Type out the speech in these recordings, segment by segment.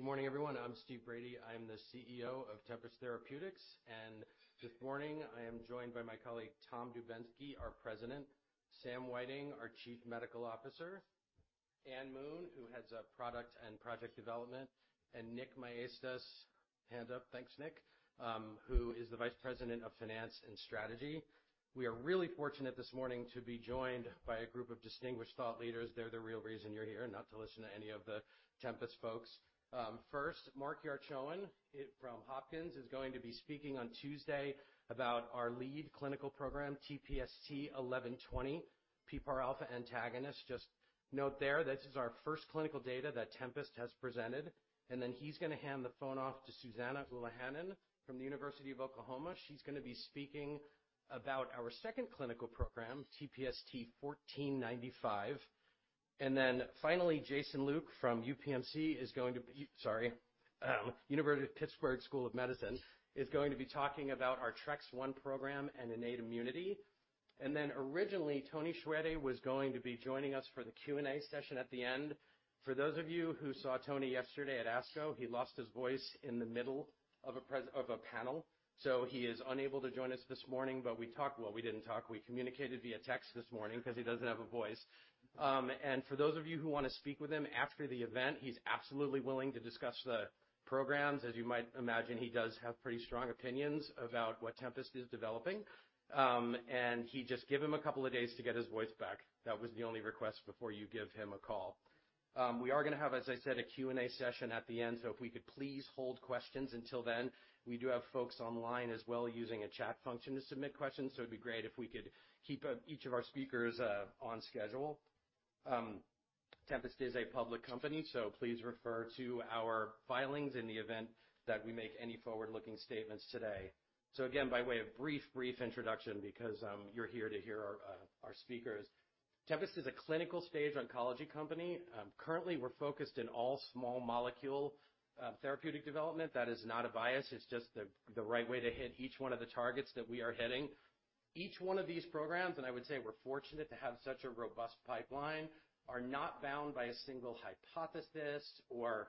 Good morning, everyone. I'm Steve Brady. I'm the CEO of Tempest Therapeutics, and this morning I am joined by my colleague, Tom Dubensky, our President, Sam Whiting, our Chief Medical Officer, Anne Moon, who heads up Product and Project Development, and Nick Maestas, head up. Thanks, Nick, who is the Vice President of Finance and Strategy. We are really fortunate this morning to be joined by a group of distinguished thought leaders. They're the real reason you're here, not to listen to any of the Tempest folks. First, Mark Yarchoan from Johns Hopkins is going to be speaking on Tuesday about our lead clinical program, TPST-1120, PPARα antagonist. Just note there, this is our first clinical data that Tempest has presented, and then he's gonna hand the phone off to Susanna Ulahannan from the University of Oklahoma. She's gonna be speaking about our second clinical program, TPST-1495. Then finally, Jason Luke from University of Pittsburgh School of Medicine is going to be talking about our TREX-1 program and innate immunity. Then originally, Toni Choueiri was going to be joining us for the Q&A session at the end. For those of you who saw Toni yesterday at ASCO, he lost his voice in the middle of a panel, so he is unable to join us this morning. Well, we didn't talk. We communicated via text this morning 'cause he doesn't have a voice. For those of you who wanna speak with him after the event, he's absolutely willing to discuss the programs. As you might imagine, he does have pretty strong opinions about what Tempest is developing. Just give him a couple of days to get his voice back. That was the only request before you give him a call. We are gonna have, as I said, a Q&A session at the end, so if we could please hold questions until then. We do have folks online as well using a chat function to submit questions, so it'd be great if we could keep each of our speakers on schedule. Tempest is a public company, so please refer to our filings in the event that we make any forward-looking statements today. Again, by way of brief introduction because you're here to hear our speakers. Tempest is a clinical-stage oncology company. Currently, we're focused in all small molecule therapeutic development. That is not a bias. It's just the right way to hit each one of the targets that we are hitting. Each one of these programs, and I would say we're fortunate to have such a robust pipeline, are not bound by a single hypothesis or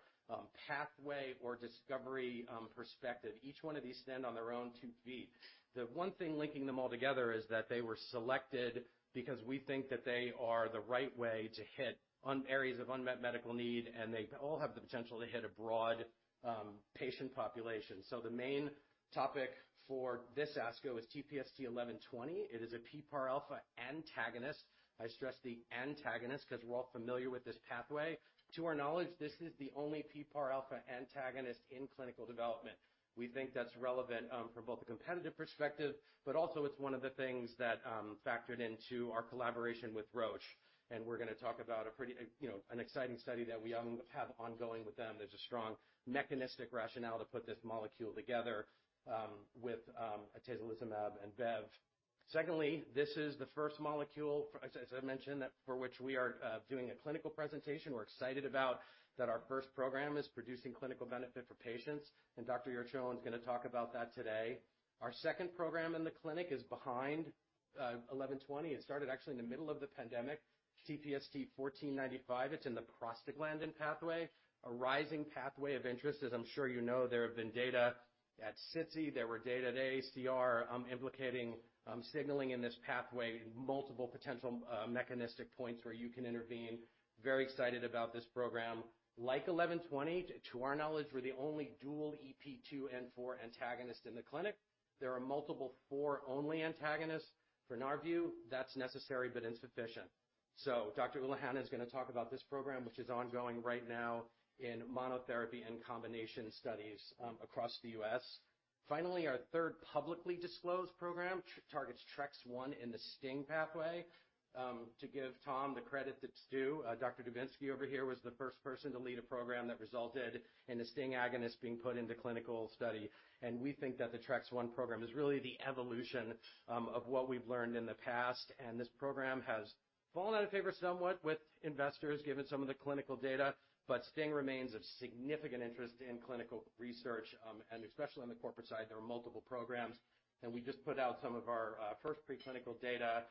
pathway or discovery perspective. Each one of these stand on their own two feet. The one thing linking them all together is that they were selected because we think that they are the right way to hit areas of unmet medical need, and they all have the potential to hit a broad patient population. The main topic for this ASCO is TPST-1120. It is a PPARα antagonist. I stress the antagonist 'cause we're all familiar with this pathway. To our knowledge, this is the only PPARα antagonist in clinical development. We think that's relevant from both a competitive perspective, but also it's one of the things that factored into our collaboration with Roche, and we're gonna talk about a pretty, you know, an exciting study that we have ongoing with them. There's a strong mechanistic rationale to put this molecule together with atezolizumab and bevacizumab. Secondly, this is the first molecule, as I mentioned, that for which we are doing a clinical presentation. We're excited about that, our first program is producing clinical benefit for patients, and Dr. Yarchoan's gonna talk about that today. Our second program in the clinic is behind TPST-1120. It started actually in the middle of the pandemic, TPST-1495. It's in the prostaglandin pathway, an arising pathway of interest. As I'm sure you know, there have been data at SITC. There were data at AACR, implicating signaling in this pathway, multiple potential mechanistic points where you can intervene. Very excited about this program. Like TPST-1120, to our knowledge, we're the only dual EP2/EP4 antagonist in the clinic. There are multiple EP4-only antagonists. For our view, that's necessary but insufficient. Dr. Ulahannan is gonna talk about this program, which is ongoing right now in monotherapy and combination studies, across the U.S. Finally, our third publicly disclosed program targets TREX-1 in the STING pathway. To give Tom the credit that's due. Dr. Dubensky over here was the first person to lead a program that resulted in a STING agonist being put into clinical study, and we think that the TREX-1 program is really the evolution of what we've learned in the past. This program has fallen out of favor somewhat with investors given some of the clinical data, but STING remains of significant interest in clinical research, and especially on the corporate side, there are multiple programs. We just put out some of our first preclinical data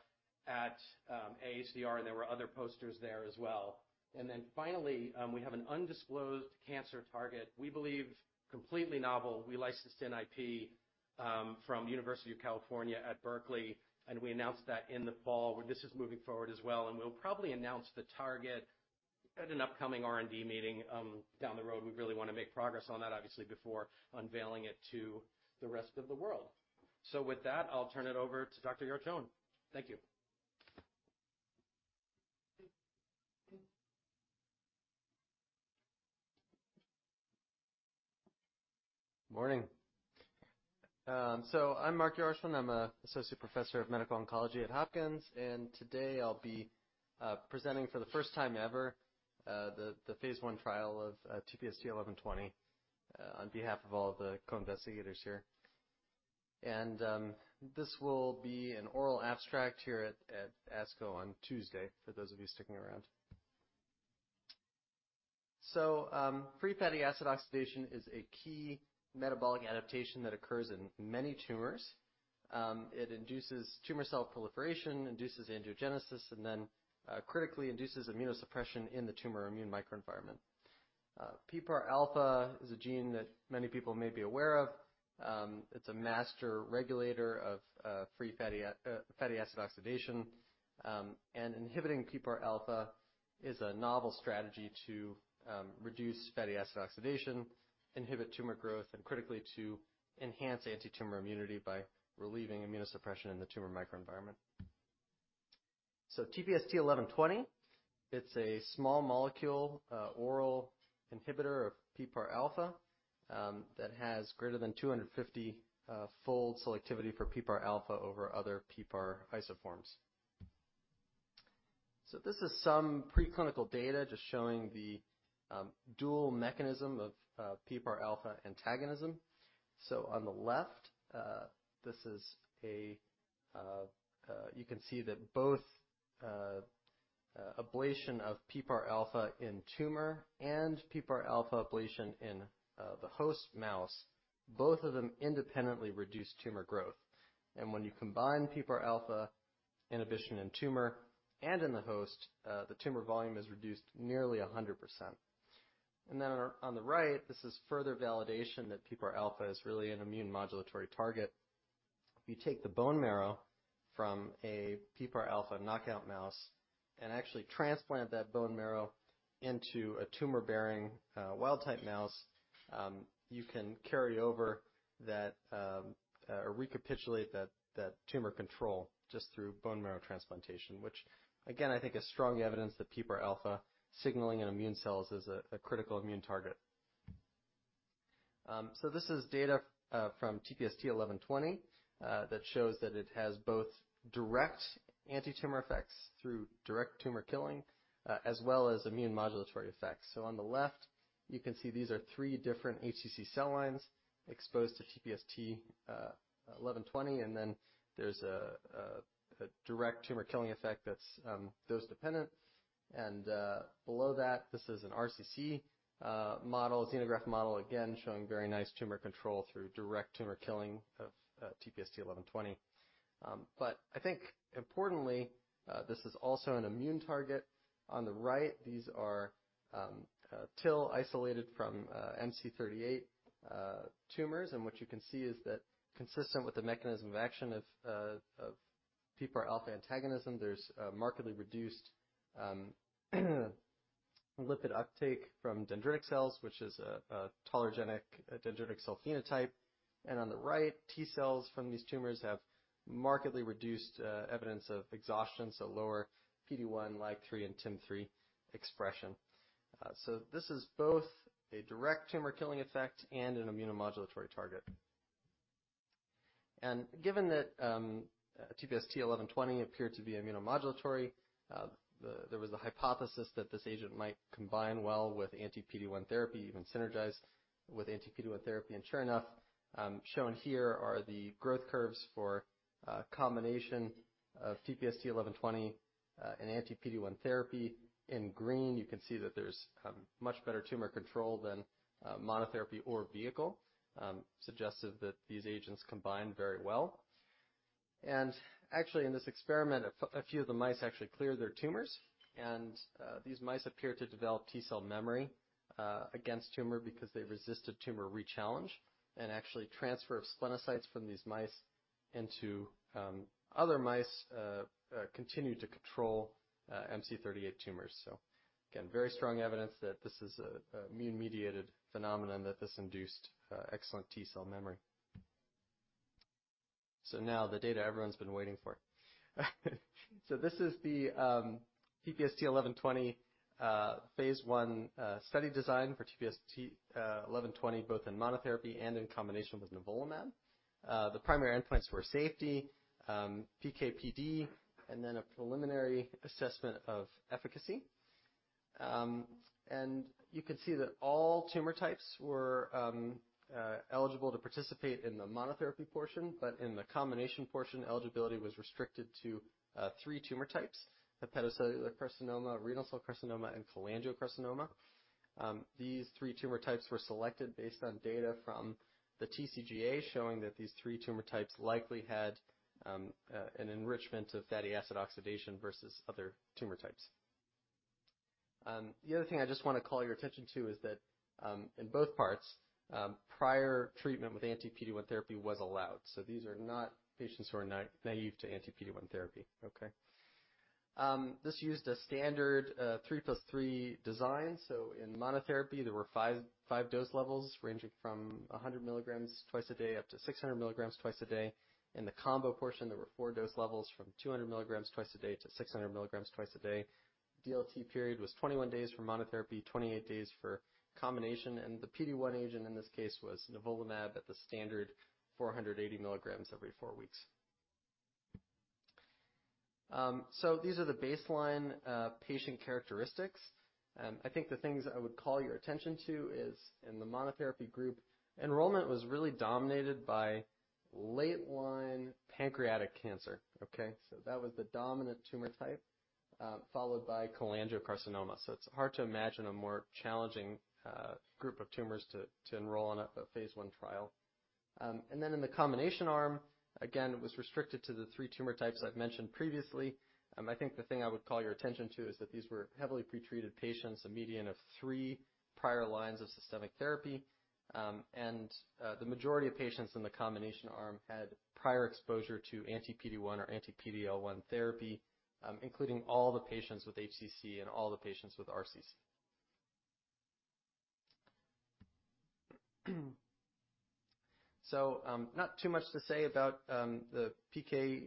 at AACR, and there were other posters there as well. Then finally, we have an undisclosed cancer target we believe completely novel. We licensed in IP from University of California, Berkeley, and we announced that in the fall. Well, this is moving forward as well, and we'll probably announce the target at an upcoming R&D meeting, down the road. We really wanna make progress on that obviously before unveiling it to the rest of the world. With that, I'll turn it over to Dr. Yarchoan. Thank you. Morning. So I'm Mark Yarchoan. I'm an Associate Professor of Medical Oncology at Hopkins, and today I'll be presenting for the first time ever the phase I trial of TPST-1120 on behalf of all the co-investigators here. This will be an oral abstract here at ASCO on Tuesday for those of you sticking around. Free fatty acid oxidation is a key metabolic adaptation that occurs in many tumors. It induces tumor cell proliferation, induces angiogenesis, and then critically induces immunosuppression in the tumor immune microenvironment. PPARα is a gene that many people may be aware of. It's a master regulator of fatty acid oxidation. Inhibiting PPARα is a novel strategy to reduce fatty acid oxidation, inhibit tumor growth, and critically to enhance antitumor immunity by relieving immunosuppression in the tumor microenvironment. TPST-1120, it's a small molecule oral inhibitor of PPARα that has greater than 250-fold selectivity for PPARα over other PPAR isoforms. This is some preclinical data just showing the dual mechanism of PPARα antagonism. On the left, you can see that both ablation of PPARα in tumor and PPARα ablation in the host mouse, both of them independently reduce tumor growth. When you combine PPARα inhibition in tumor and in the host, the tumor volume is reduced nearly 100%. On the right, this is further validation that PPARα is really an immunomodulatory target. If you take the bone marrow from a PPARα knockout mouse and actually transplant that bone marrow into a tumor-bearing wild-type mouse, you can carry over that or recapitulate that tumor control just through bone marrow transplantation, which again, I think is strong evidence that PPARα signaling in immune cells is a critical immune target. This is data from TPST-1120 that shows that it has both direct antitumor effects through direct tumor killing as well as immunomodulatory effects. On the left, you can see these are three different HCC cell lines exposed to TPST-1120, and then there's a direct tumor killing effect that's dose dependent. Below that, this is an RCC model, [xenograft] model again showing very nice tumor control through direct tumor killing of TPST-1120. I think importantly, this is also an immune target. On the right, these are TIL isolated from MC38 tumors, and what you can see is that consistent with the mechanism of action of PPARα antagonism, there's a markedly reduced lipid uptake from dendritic cells, which is a tolerogenic dendritic cell phenotype. On the right, T cells from these tumors have markedly reduced evidence of exhaustion, so lower PD-1, LAG-3, and TIM-3 expression. This is both a direct tumor killing effect and an immunomodulatory target. Given that TPST-1120 appeared to be immunomodulatory, there was a hypothesis that this agent might combine well with anti-PD-1 therapy, even synergize with anti-PD-1 therapy. Sure enough, shown here are the growth curves for a combination of TPST-1120 and anti-PD-1 therapy. In green, you can see that there's much better tumor control than monotherapy or vehicle, suggestive that these agents combine very well. Actually, in this experiment, a few of the mice actually cleared their tumors. These mice appeared to develop T cell memory against tumor because they resisted tumor rechallenge. Actually, transfer of splenocytes from these mice into other mice continued to control MC38 tumors. Again, very strong evidence that this is a immune-mediated phenomenon that this induced excellent T cell memory. Now the data everyone's been waiting for. This is the TPST-1120 phase I study design for TPST-1120, both in monotherapy and in combination with nivolumab. The primary endpoints were safety, PK/PD, and then a preliminary assessment of efficacy. You can see that all tumor types were eligible to participate in the monotherapy portion. In the combination portion, eligibility was restricted to three tumor types, hepatocellular carcinoma, renal cell carcinoma, and cholangiocarcinoma. These three tumor types were selected based on data from the TCGA showing that these three tumor types likely had an enrichment of fatty acid oxidation versus other tumor types. The other thing I just wanna call your attention to is that in both parts prior treatment with anti-PD-1 therapy was allowed. These are not patients who are naive to anti-PD-1 therapy, okay? This used a standard 3 + 3 design. In monotherapy, there were five dose levels ranging from 100 mg twice a day up to 600 mg twice a day. In the combo portion, there were four dose levels from 200 mg twice a day to 600 mg twice a day. DLT period was 21 days for monotherapy, 28 days for combination, and the PD-1 agent in this case was nivolumab at the standard 480 mg every four weeks. These are the baseline patient characteristics. I think the things I would call your attention to is in the monotherapy group, enrollment was really dominated by late-line pancreatic cancer, okay? That was the dominant tumor type. Followed by cholangiocarcinoma. It's hard to imagine a more challenging group of tumors to enroll in a phase I trial. In the combination arm, again, it was restricted to the three tumor types I've mentioned previously. I think the thing I would call your attention to is that these were heavily pretreated patients, a median of three prior lines of systemic therapy. The majority of patients in the combination arm had prior exposure to anti-PD-1 or anti-PD-L1 therapy, including all the patients with HCC and all the patients with RCC. Not too much to say about the PK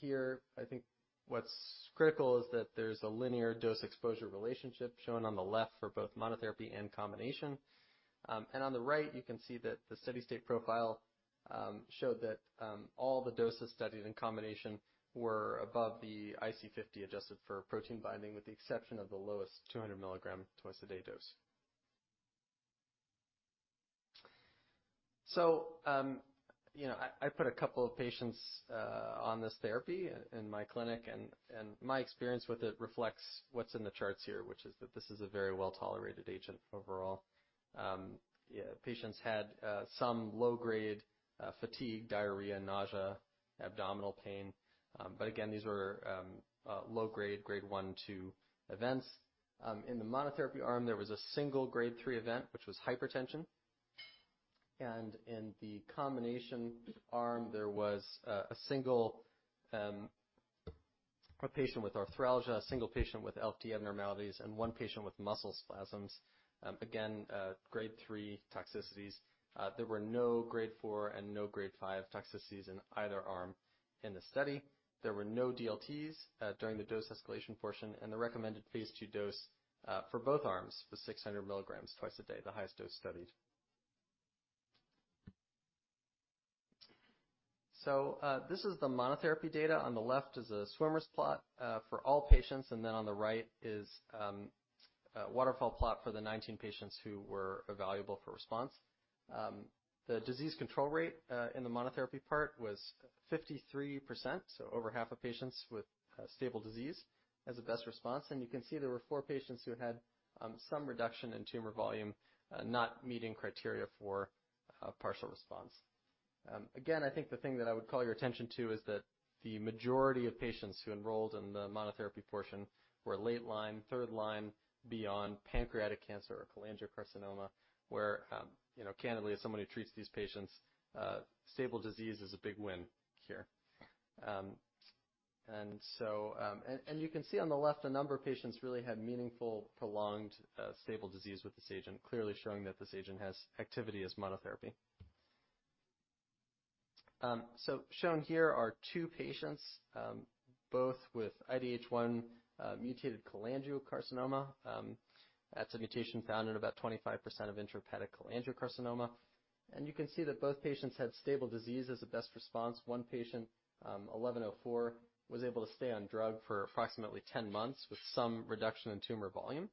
here. I think what's critical is that there's a linear dose exposure relationship shown on the left for both monotherapy and combination. On the right, you can see that the steady-state profile showed that all the doses studied in combination were above the IC50 adjusted for protein binding, with the exception of the lowest 200 mg twice-a-day dose. You know, I put a couple of patients on this therapy in my clinic and my experience with it reflects what's in the charts here, which is that this is a very well-tolerated agent overall. Patients had some low-grade fatigue, diarrhea, nausea, abdominal pain. Again, these were low-grade grade 1, 2 events. In the monotherapy arm, there was a single grade 3 event, which was hypertension. In the combination arm, there was a single patient with arthralgia, a single patient with LFT abnormalities, and one patient with muscle spasms. Again, grade 3 toxicities. There were no grade 4 and no grade 5 toxicities in either arm in the study. There were no DLTs during the dose escalation portion, and the recommended phase II dose for both arms was 600 mg twice a day, the highest dose studied. This is the monotherapy data. On the left is a swimmers plot for all patients, and then on the right is a waterfall plot for the 19 patients who were evaluable for response. The disease control rate in the monotherapy part was 53%, so over half the patients with stable disease as a best response. You can see there were four patients who had some reduction in tumor volume not meeting criteria for a partial response. Again, I think the thing that I would call your attention to is that the majority of patients who enrolled in the monotherapy portion were late line, third line, beyond pancreatic cancer or cholangiocarcinoma, where, you know, candidly, as someone who treats these patients, stable disease is a big win here. You can see on the left, a number of patients really had meaningful, prolonged, stable disease with this agent, clearly showing that this agent has activity as monotherapy. Shown here are two patients, both with IDH1 mutated cholangiocarcinoma. That's a mutation found in about 25% of intrahepatic cholangiocarcinoma. You can see that both patients had stable disease as a best response. One patient, TPST-1104, was able to stay on drug for approximately 10 months with some reduction in tumor volume.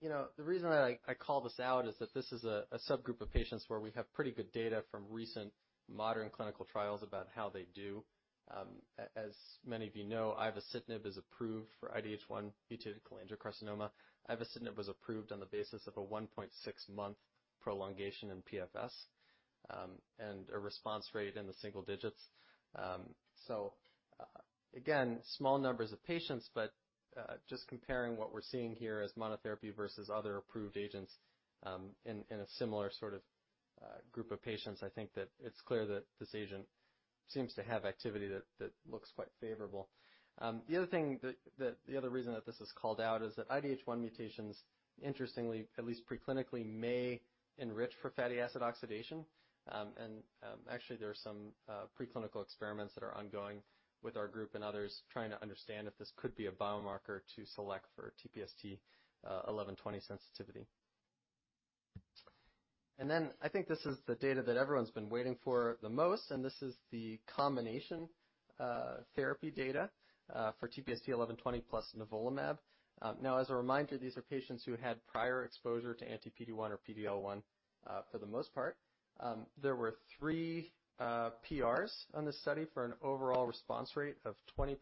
You know, the reason I call this out is that this is a subgroup of patients where we have pretty good data from recent modern clinical trials about how they do. As many of you know, ivosidenib is approved for IDH1 mutated cholangiocarcinoma. Ivosidenib was approved on the basis of a 1.6-month prolongation in PFS, and a response rate in the single digits. Again, small numbers of patients, but just comparing what we're seeing here as monotherapy versus other approved agents, in a similar sort of group of patients, I think that it's clear that this agent seems to have activity that looks quite favorable. The other reason that this is called out is that IDH1 mutations, interestingly, at least pre-clinically, may enrich for fatty acid oxidation. Actually there are some pre-clinical experiments that are ongoing with our group and others trying to understand if this could be a biomarker to select for TPST-1120 sensitivity. Then I think this is the data that everyone's been waiting for the most, and this is the combination therapy data for TPST-1120 plus nivolumab. Now as a reminder, these are patients who had prior exposure to anti-PD-1 or anti-PD-L1 for the most part. There were three PRs on this study for an overall response rate of 20%.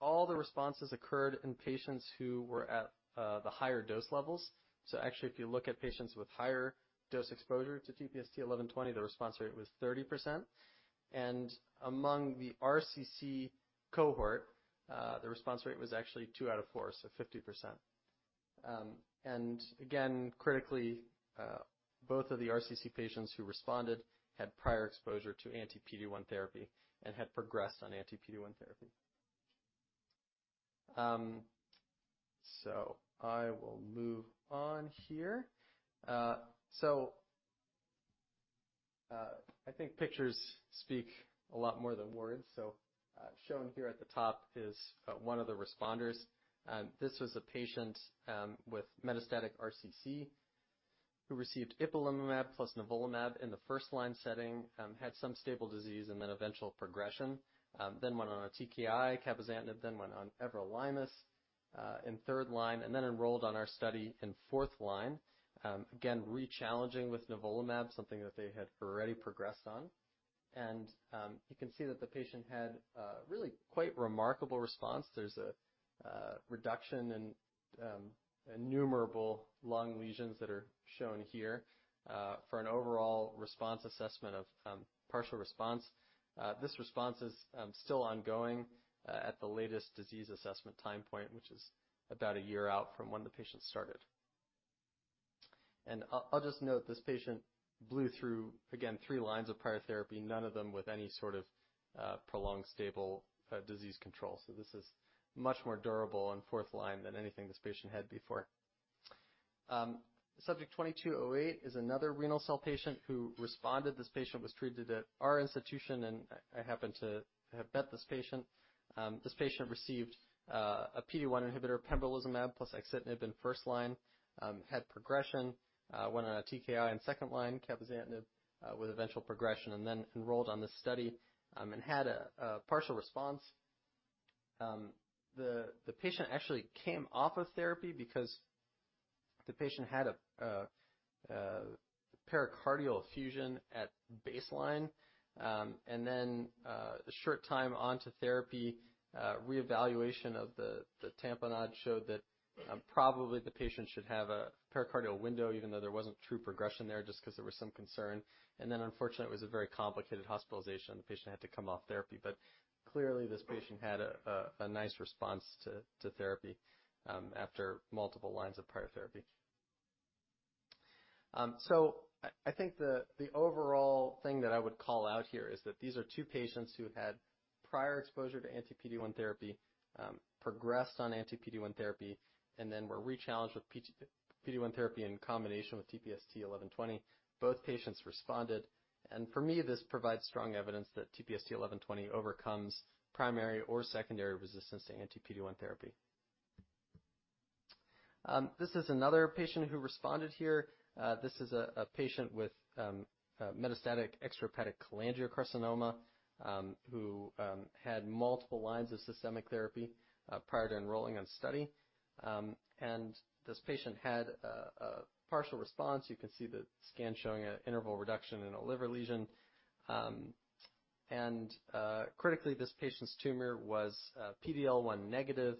All the responses occurred in patients who were at the higher dose levels. Actually if you look at patients with higher dose exposure to TPST-1120, the response rate was 30%. Among the RCC cohort, the response rate was actually two out of four, so 50%. Again, critically, both of the RCC patients who responded had prior exposure to anti-PD-1 therapy and had progressed on anti-PD-1 therapy. I will move on here. I think pictures speak a lot more than words. Shown here at the top is one of the responders. This was a patient with metastatic RCC who received ipilimumab plus nivolumab in the first line setting, had some stable disease and then eventual progression. Then went on a TKI cabozantinib, then went on everolimus in third line and then enrolled on our study in fourth line. Again, re-challenging with nivolumab, something that they had already progressed on. You can see that the patient had a really quite remarkable response. There's a reduction in innumerable lung lesions that are shown here for an overall response assessment of partial response. This response is still ongoing at the latest disease assessment time point, which is about a year out from when the patient started. I'll just note this patient blew through, again, three lines of prior therapy, none of them with any sort of prolonged stable disease control. This is much more durable and fourth line than anything this patient had before. Subject 2208 is another renal cell patient who responded. This patient was treated at our institution, and I happen to have met this patient. This patient received a PD-1 inhibitor, pembrolizumab, plus axitinib in first line. Had progression, went on a TKI in second line, cabozantinib, with eventual progression, and then enrolled on this study, and had a partial response. The patient actually came off of therapy because the patient had a pericardial effusion at baseline. A short time onto therapy, reevaluation of the tamponade showed that, probably the patient should have a pericardial window, even though there wasn't true progression there, just 'cause there was some concern. Unfortunately, it was a very complicated hospitalization. The patient had to come off therapy, but clearly this patient had a nice response to therapy, after multiple lines of prior therapy. I think the overall thing that I would call out here is that these are two patients who had prior exposure to anti-PD-1 therapy, progressed on anti-PD-1 therapy and then were rechallenged with PD-1 therapy in combination with TPST-1120. Both patients responded, and for me, this provides strong evidence that TPST-1120 overcomes primary or secondary resistance to anti-PD-1 therapy. This is another patient who responded here. This is a patient with metastatic extracranial cholangiocarcinoma, who had multiple lines of systemic therapy prior to enrolling on study. This patient had a partial response. You can see the scan showing an interval reduction in a liver lesion. Critically, this patient's tumor was PD-L1 negative,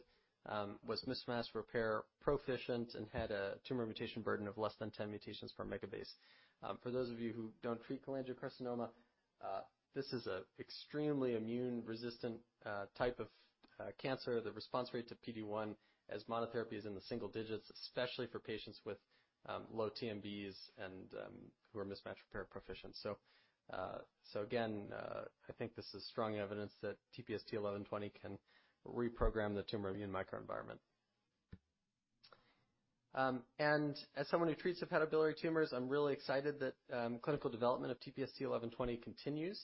was mismatch repair proficient, and had a tumor mutation burden of less than 10 mutations per megabase. For those of you who don't treat cholangiocarcinoma, this is an extremely immune-resistant type of cancer. The response rate to PD-1 as monotherapy is in the single digits, especially for patients with low TMBs and who are mismatch repair proficient. I think this is strong evidence that TPST-1120 can reprogram the tumor immune microenvironment. As someone who treats hepatobiliary tumors, I'm really excited that clinical development of TPST-1120 continues.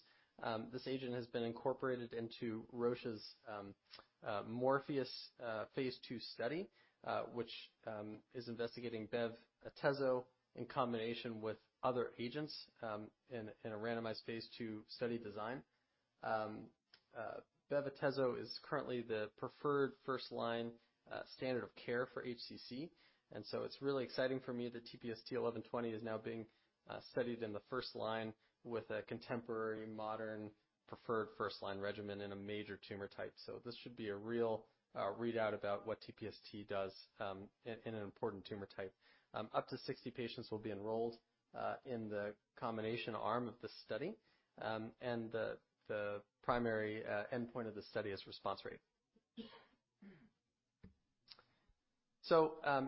This agent has been incorporated into Roche's Morpheus phase II study, which is investigating bev-atezo in combination with other agents, in a randomized phase II study design. Bev-atezo is currently the preferred first-line standard of care for HCC. It's really exciting for me that TPST-1120 is now being studied in the first line with a contemporary, modern, preferred first-line regimen in a major tumor type. This should be a real readout about what TPST does in an important tumor type. Up to 60 patients will be enrolled in the combination arm of this study. The primary endpoint of the study is response rate.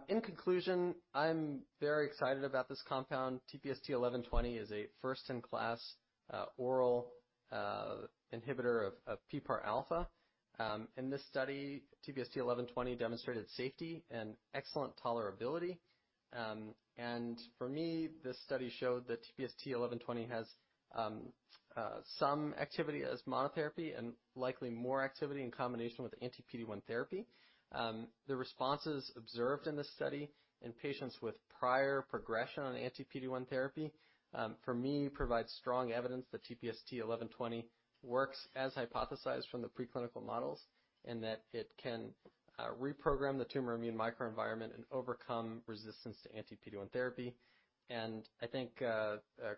In conclusion, I'm very excited about this compound. TPST-1120 is a first-in-class oral inhibitor of PPARα. In this study, TPST-1120 demonstrated safety and excellent tolerability. For me, this study showed that TPST-1120 has some activity as monotherapy and likely more activity in combination with anti-PD-1 therapy. The responses observed in this study in patients with prior progression on anti-PD-1 therapy, for me, provide strong evidence that TPST-1120 works as hypothesized from the preclinical models, and that it can reprogram the tumor immune microenvironment and overcome resistance to anti-PD-1 therapy. I think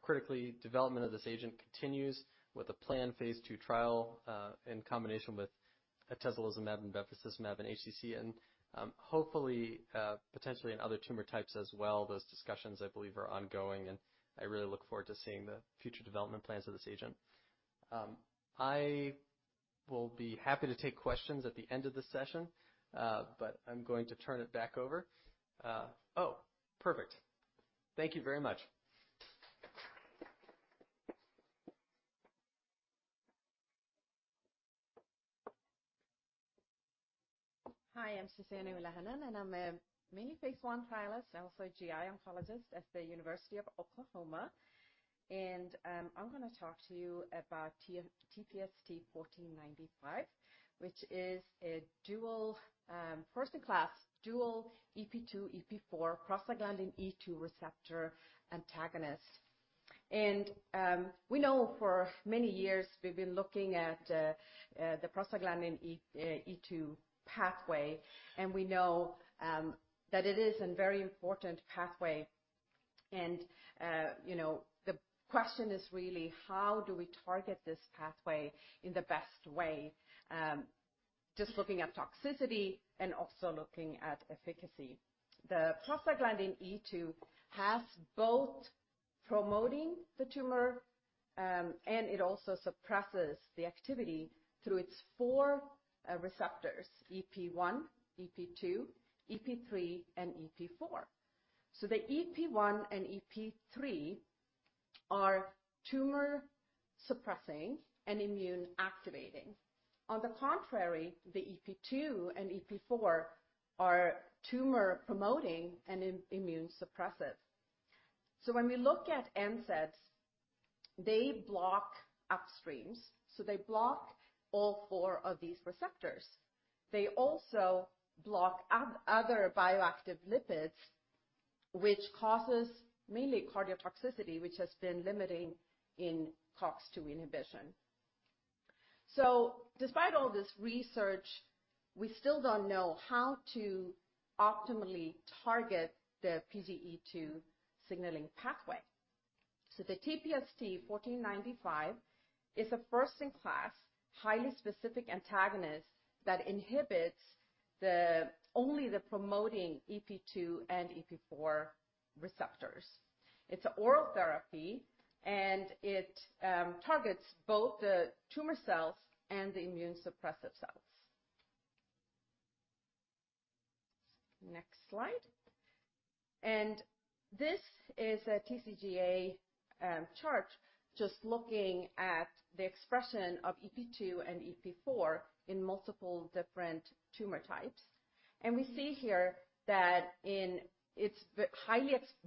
critically, development of this agent continues with a planned phase II trial in combination with atezolizumab and bevacizumab and HCC, and hopefully potentially in other tumor types as well. Those discussions, I believe, are ongoing, and I really look forward to seeing the future development plans of this agent. I will be happy to take questions at the end of the session, but I'm going to turn it back over. Oh, perfect. Thank you very much. Hi, I'm Susanna Ulahannan, and I'm a Medical Phase I Trialist. I'm also a GI Oncologist at the University of Oklahoma. I'm gonna talk to you about TPST-1495, which is a dual, first-in-class, dual EP2, EP4 prostaglandin E2 receptor antagonist. We know for many years we've been looking at the prostaglandin E2 pathway, and we know that it is a very important pathway. You know, the question is really how do we target this pathway in the best way, just looking at toxicity and also looking at efficacy. The prostaglandin E2 has both promoting the tumor, and it also suppresses the activity through its four receptors, EP1, EP2, EP3, and EP4. The EP1 and EP3 are tumor-suppressing and immune-activating. On the contrary, the EP2 and EP4 are tumor-promoting and immune-suppressive. When we look at NSAIDs, they block upstream. They block all four of these receptors. They also block other bioactive lipids, which causes mainly cardiotoxicity, which has been limiting in COX-2 inhibition. Despite all this research, we still don't know how to optimally target the PGE2 signaling pathway. The TPST-1495 is a first-in-class, highly specific antagonist that inhibits only the promoting EP2 and EP4 receptors. It's oral therapy, and it targets both the tumor cells and the immune-suppressive cells. Next slide. This is a TCGA chart just looking at the expression of EP2 and EP4 in multiple different tumor types. We see here that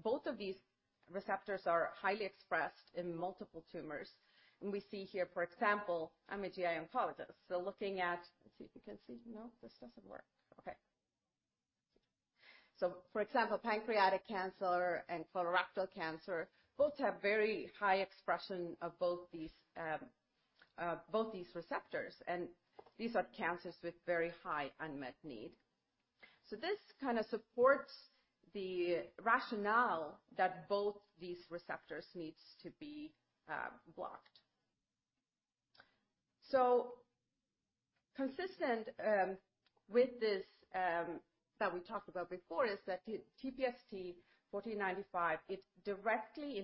both of these receptors are highly expressed in multiple tumors. We see here, for example, pancreatic cancer and colorectal cancer both have very high expression of both these receptors, and these are cancers with very high unmet need. This kind of supports the rationale that both these receptors needs to be blocked. Consistent with this that we talked about before is that TPST-1495, it directly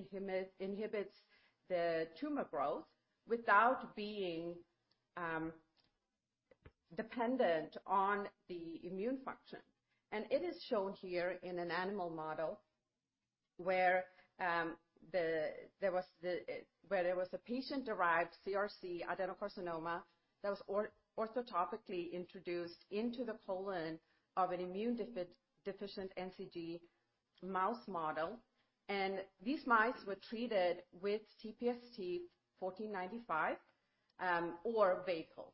inhibits the tumor growth without being dependent on the immune function. It is shown here in an animal model where there was a patient-derived CRC adenocarcinoma that was orthotopically introduced into the colon of an immune deficient NCG mouse model. These mice were treated with TPST-1495 or vehicle.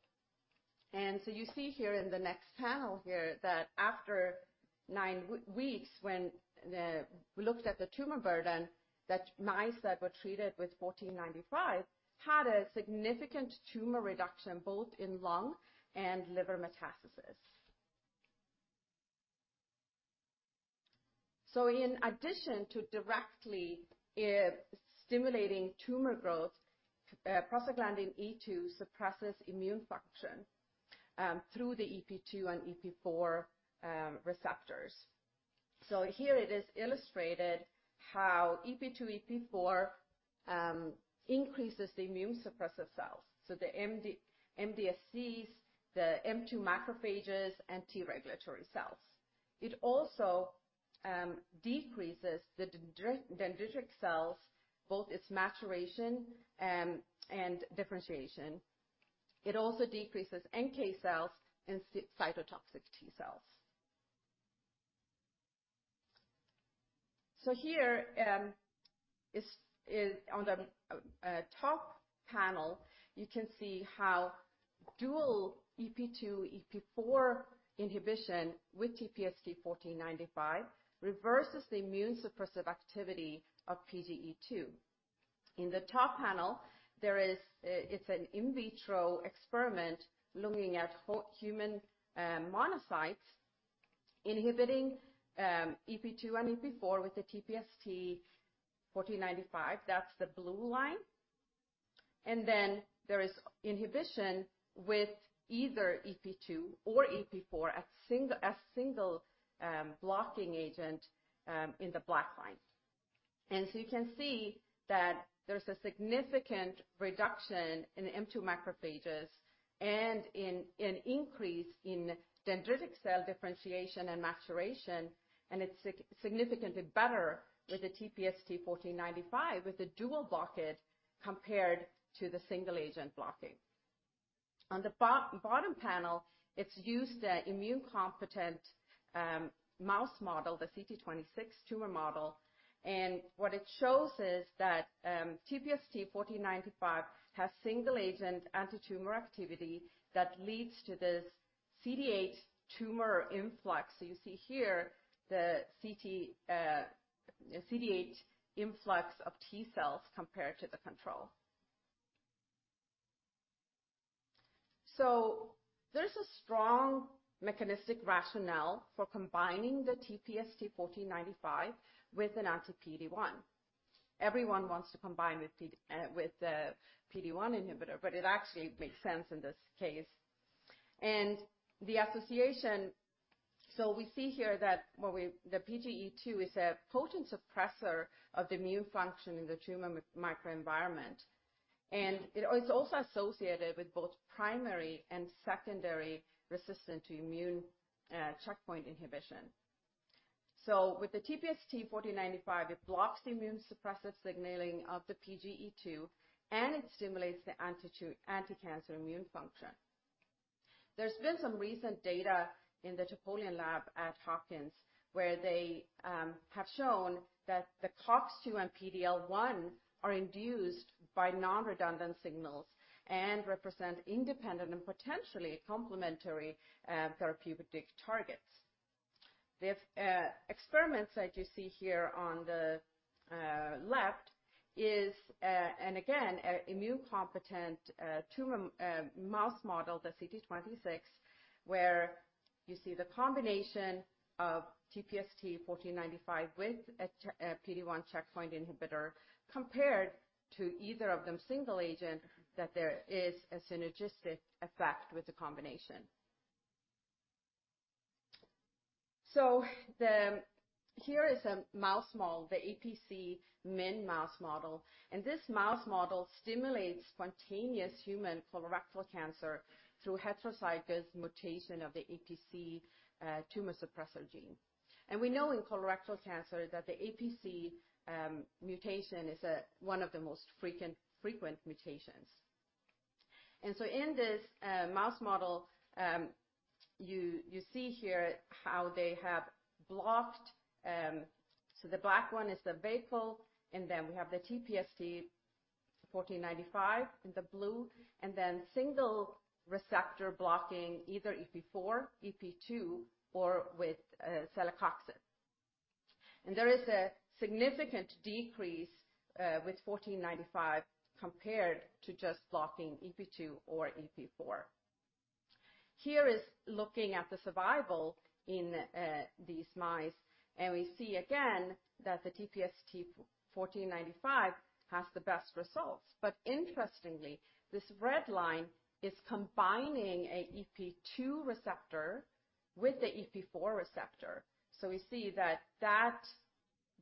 You see here in the next panel here that after nine weeks, when we looked at the tumor burden, that mice that were treated with TPST-1495 had a significant tumor reduction both in lung and liver metastasis. In addition to directly stimulating tumor growth, prostaglandin E2 suppresses immune function through the EP2 and EP4 receptors. Here it is illustrated how EP2/EP4 increases the immune-suppressive cells. The MDSCs, the M2 macrophages, and T regulatory cells. It also decreases the dendritic cells, both its maturation and differentiation. It also decreases NK cells and cytotoxic T cells. Here, on the top panel, you can see how dual EP2/EP4 inhibition with TPST1495 reverses the immune-suppressive activity of PGE2. In the top panel, there is, it's an in vitro experiment looking at human monocytes inhibiting EP2 and EP4 with the TPST1495. That's the blue line. Then there is inhibition with either EP2 or EP4 at a single blocking agent in the black line. You can see that there's a significant reduction in M2 macrophages and an increase in dendritic cell differentiation and maturation, and it's significantly better with the TPST-1495 with the dual block compared to the single-agent blocking. On the bottom panel, it uses an immunocompetent mouse model, the CT26 tumor model, and what it shows is that TPST-1495 has single-agent antitumor activity that leads to this CD8 tumor influx. You see here the CD8 influx of T cells compared to the control. There's a strong mechanistic rationale for combining the TPST-1495 with an anti-PD-1. Everyone wants to combine with a PD-1 inhibitor, but it actually makes sense in this case. The association we see here that the PGE2 is a potent suppressor of immune function in the tumor microenvironment. It's also associated with both primary and secondary resistance to immune checkpoint inhibition. With the TPST-1495, it blocks the immune suppressive signaling of the PGE2, and it stimulates the anticancer immune function. There's been some recent data in the Topalian Lab at Hopkins, where they have shown that the COX-2 and PD-L1 are induced by non-redundant signals and represent independent and potentially complementary therapeutic targets. The experiments that you see here on the left is, and again, a immunocompetent tumor mouse model, the CT26, where you see the combination of TPST-1495 with a PD-1 checkpoint inhibitor compared to either of them single agent, that there is a synergistic effect with the combination. Here is a mouse model, the APC-min mouse model, and this mouse model stimulates spontaneous human colorectal cancer through heterozygous mutation of the APC tumor suppressor gene. We know in colorectal cancer that the APC mutation is one of the most frequent mutations. In this mouse model, you see here how they have blocked. The black one is the vehicle, and then we have the TPST-1495 in the blue, and then single receptor blocking either EP4, EP2, or with celecoxib. There is a significant decrease with TPST-1495 compared to just blocking EP2 or EP4. Here is looking at the survival in these mice, and we see again that the TPST-1495 has the best results. Interestingly, this red line is combining a EP2 receptor with the EP4 receptor. We see that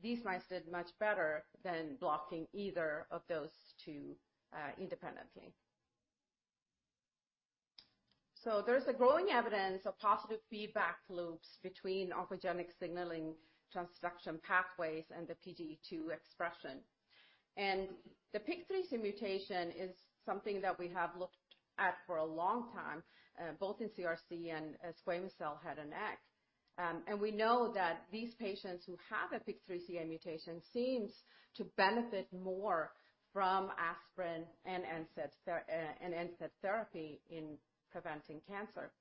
these mice did much better than blocking either of those two independently. There's a growing evidence of positive feedback loops between oncogenic signaling transduction pathways and the PGE2 expression. The PIK3CA mutation is something that we have looked at for a long time both in CRC and squamous cell head and neck. We know that these patients who have a PIK3CA mutation seems to benefit more from aspirin and NSAIDs and NSAID therapy in preventing cancer.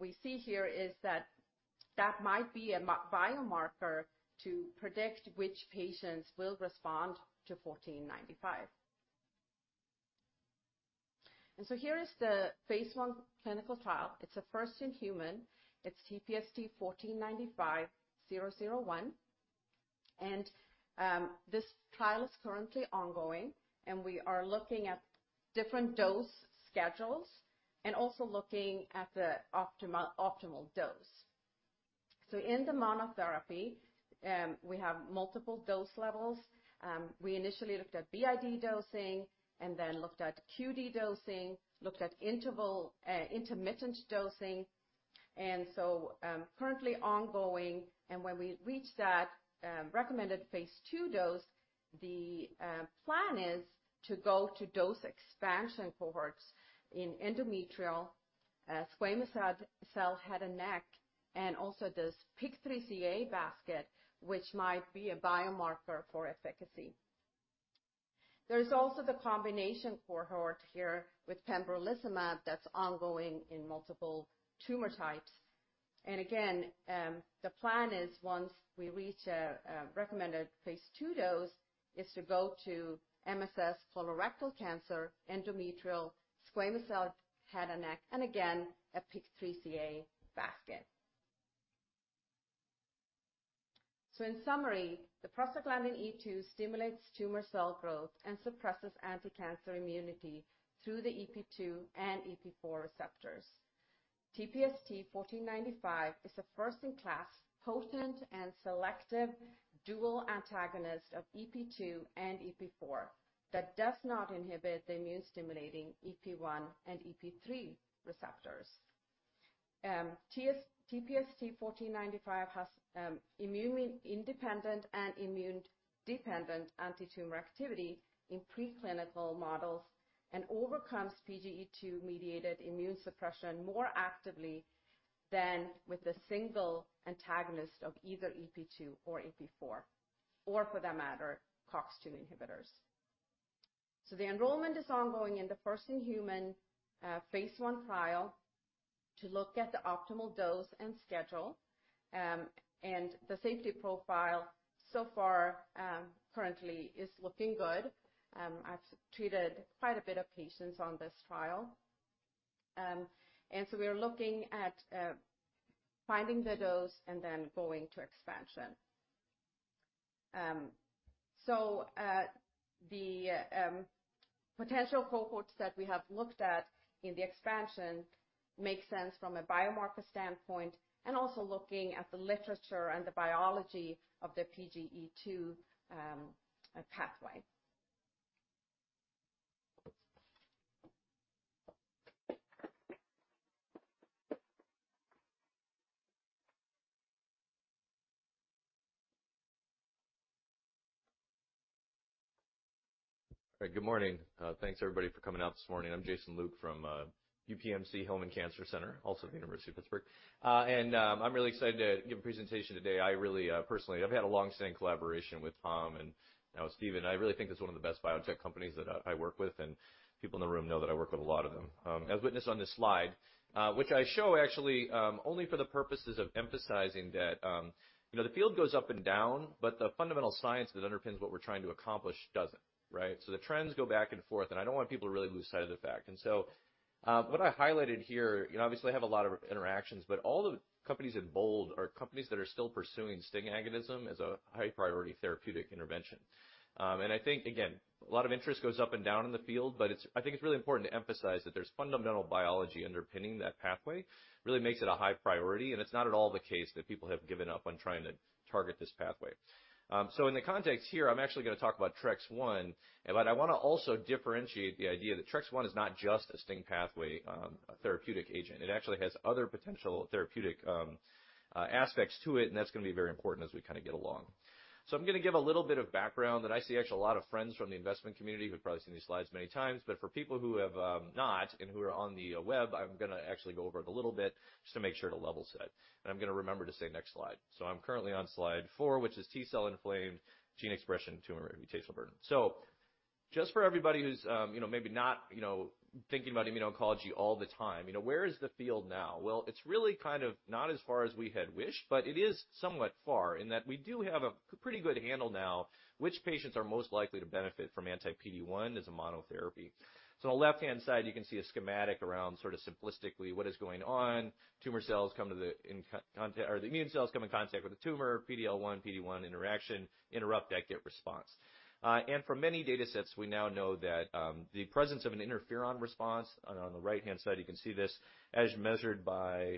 We see here is that that might be a biomarker to predict which patients will respond to TPST-1495. Here is the phase I clinical trial. It's a first-in-human. It's TPST-1495-001. This trial is currently ongoing, and we are looking at different dose schedules and also looking at the optimal dose. In the monotherapy, we have multiple dose levels. We initially looked at BID dosing and then looked at QD dosing, looked at intermittent dosing, and so currently ongoing. When we reach that recommended phase II dose, the plan is to go to dose expansion cohorts in endometrial, squamous cell, head and neck, and also this PIK3CA basket, which might be a biomarker for efficacy. There's also the combination cohort here with pembrolizumab that's ongoing in multiple tumor types. Again, the plan is once we reach a recommended phase II dose, is to go to MSS colorectal cancer, endometrial, squamous cell, head and neck, and again, a PIK3CA basket. In summary, the prostaglandin E2 stimulates tumor cell growth and suppresses anticancer immunity through the EP2 and EP4 receptors. TPST-1495 is a first-in-class, potent, and selective dual antagonist of EP2 and EP4 that does not inhibit the immune-stimulating EP1 and EP3 receptors. TPST-1495 has immune independent and immune-dependent antitumor activity in preclinical models and overcomes PGE2-mediated immune suppression more actively than with the single antagonist of either EP2 or EP4, or for that matter, COX-2 inhibitors. The enrollment is ongoing in the first-in-human phase I trial to look at the optimal dose and schedule. The safety profile so far currently is looking good. I've treated quite a bit of patients on this trial. We're looking at finding the dose and then going to expansion. The potential cohorts that we have looked at in the expansion makes sense from a biomarker standpoint and also looking at the literature and the biology of the PGE2 pathway. All right. Good morning. Thanks everybody for coming out this morning. I'm Jason Luke from UPMC Hillman Cancer Center, also at the University of Pittsburgh. I'm really excited to give a presentation today. I really, personally, I've had a long-standing collaboration with Tom and now Steve. I really think it's one of the best biotech companies that I work with, and people in the room know that I work with a lot of them. As witnessed on this slide, which I show actually, only for the purposes of emphasizing that, you know, the field goes up and down, but the fundamental science that underpins what we're trying to accomplish doesn't, right? The trends go back and forth, and I don't want people to really lose sight of the fact. What I highlighted here, you know, obviously I have a lot of interactions, but all the companies in bold are companies that are still pursuing STING agonism as a high priority therapeutic intervention. I think, again, a lot of interest goes up and down in the field, but it's. I think it's really important to emphasize that there's fundamental biology underpinning that pathway, really makes it a high priority, and it's not at all the case that people have given up on trying to target this pathway. In the context here, I'm actually gonna talk about TREX-1, but I wanna also differentiate the idea that TREX-1 is not just a STING pathway therapeutic agent. It actually has other potential therapeutic aspects to it, and that's gonna be very important as we kinda get along. I'm gonna give a little bit of background that I see actually a lot of friends from the investment community who have probably seen these slides many times, but for people who have not and who are on the web, I'm gonna actually go over it a little bit just to make sure to level set. I'm gonna remember to say next slide. I'm currently on slide four, which is T cell inflamed gene expression tumor mutational burden. Just for everybody who's, you know, maybe not, you know, thinking about immuno-oncology all the time, you know, where is the field now? Well, it's really kind of not as far as we had wished, but it is somewhat far in that we do have a pretty good handle now which patients are most likely to benefit from anti-PD-1 as a monotherapy. On the left-hand side, you can see a schematic around sort of simplistically what is going on. The immune cells come in contact with the tumor, PD-L1/PD-1 interaction, interrupt that get response. From many datasets, we now know that the presence of an interferon response, and on the right-hand side, you can see this as measured by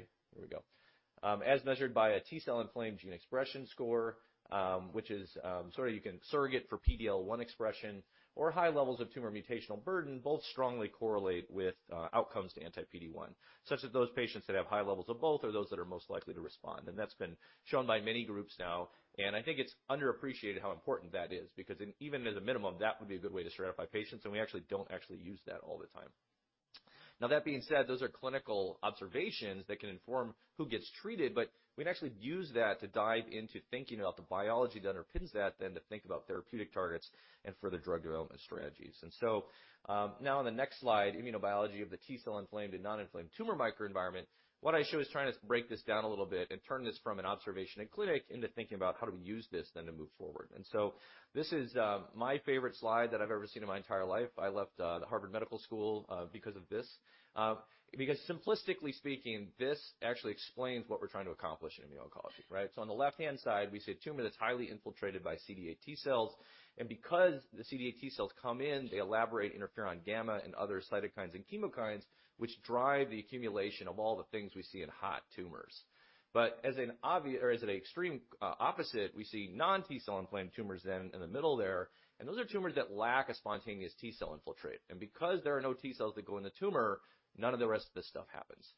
a T cell inflamed gene expression score, which is sort of you can surrogate for PD-L1 expression or high levels of tumor mutational burden, both strongly correlate with outcomes to anti-PD-1, such that those patients that have high levels of both are those that are most likely to respond. That's been shown by many groups now. I think it's underappreciated how important that is, because even at a minimum, that would be a good way to stratify patients, and we actually don't use that all the time. Now, that being said, those are clinical observations that can inform who gets treated, but we'd actually use that to dive into thinking about the biology that underpins that then to think about therapeutic targets and further drug development strategies. Now on the next slide, immunobiology of the T cell inflamed and non-inflamed tumor microenvironment. What I show is trying to break this down a little bit and turn this from an observation in clinic into thinking about how do we use this then to move forward. This is my favorite slide that I've ever seen in my entire life. I left the Harvard Medical School because of this. Because simplistically speaking, this actually explains what we're trying to accomplish in immuno-oncology, right? On the left-hand side, we see a tumor that's highly infiltrated by CD8 T cells. Because the CD8 T cells come in, they elaborate interferon gamma and other cytokines and chemokines, which drive the accumulation of all the things we see in hot tumors. As an extreme opposite, we see non-T cell inflamed tumors then in the middle there, and those are tumors that lack a spontaneous T cell infiltrate. Because there are no T cells that go in the tumor, none of the rest of this stuff happens.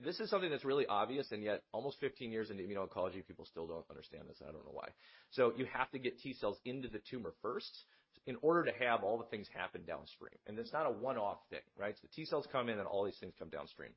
This is something that's really obvious, and yet almost 15 years into immuno-oncology, people still don't understand this, and I don't know why. You have to get T cells into the tumor first in order to have all the things happen downstream. It's not a one-off thing, right? The T cells come in and all these things come downstream.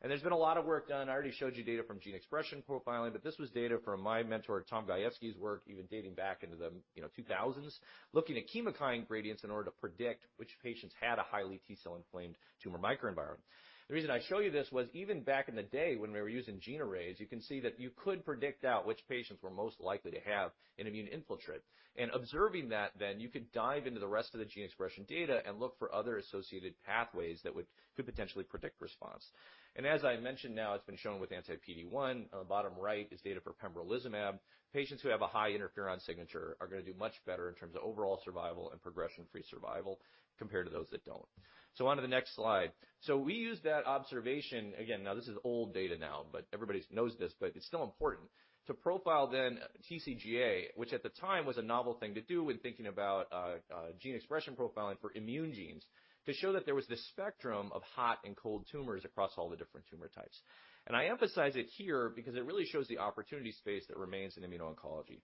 There's been a lot of work done. I already showed you data from gene expression profiling, but this was data from my mentor, Tom Gajewski's work, even dating back into the, you know, 2,000s, looking at chemokine gradients in order to predict which patients had a highly T cell inflamed tumor microenvironment. The reason I show you this was even back in the day when we were using gene arrays. You can see that you could predict out which patients were most likely to have an immune infiltrate. Observing that, then you could dive into the rest of the gene expression data and look for other associated pathways that could potentially predict response. As I mentioned now, it's been shown with anti-PD-1. On the bottom right is data for pembrolizumab. Patients who have a high interferon signature are gonna do much better in terms of overall survival and progression-free survival compared to those that don't. On to the next slide. We use that observation. Again, now this is old data now, but everybody knows this, but it's still important to profile the TCGA, which at the time was a novel thing to do when thinking about gene expression profiling for immune genes, to show that there was this spectrum of hot and cold tumors across all the different tumor types. I emphasize it here because it really shows the opportunity space that remains in immuno-oncology.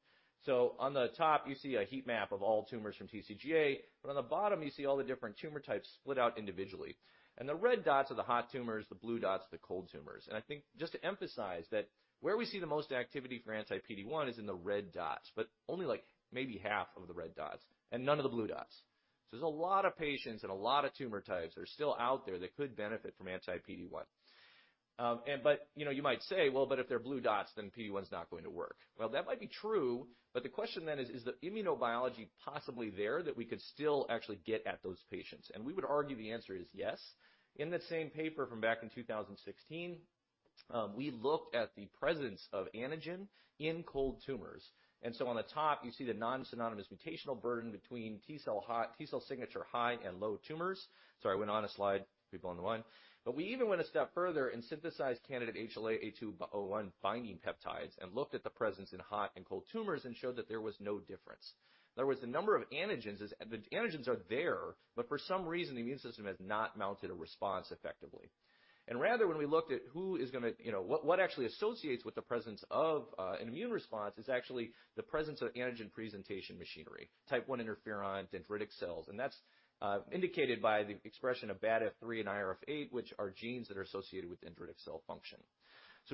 On the top, you see a heat map of all tumors from TCGA, but on the bottom you see all the different tumor types split out individually. The red dots are the hot tumors, the blue dots are the cold tumors. I think just to emphasize that where we see the most activity for anti-PD-1 is in the red dots, but only like maybe half of the red dots and none of the blue dots. There's a lot of patients and a lot of tumor types that are still out there that could benefit from anti-PD-1. You know, you might say, well, but if they're blue dots, then PD-1 is not going to work. Well, that might be true, but the question then is the immunobiology possibly there that we could still actually get at those patients? We would argue the answer is yes. In that same paper from back in 2016, we looked at the presence of antigen in cold tumors. On the top, you see the non-synonymous mutational burden between T cell signature high and low tumors. Sorry, I went on a slide, people on the line. We even went a step further and synthesized candidate HLA-A201 binding peptides and looked at the presence in hot and cold tumors and showed that there was no difference. In other words, the number of antigens is. The antigens are there, but for some reason, the immune system has not mounted a response effectively. Rather, when we looked at who is gonna what actually associates with the presence of an immune response is actually the presence of antigen presentation machinery, type one interferon, dendritic cells, and that's indicated by the expression of BATF3 and IRF8, which are genes that are associated with dendritic cell function.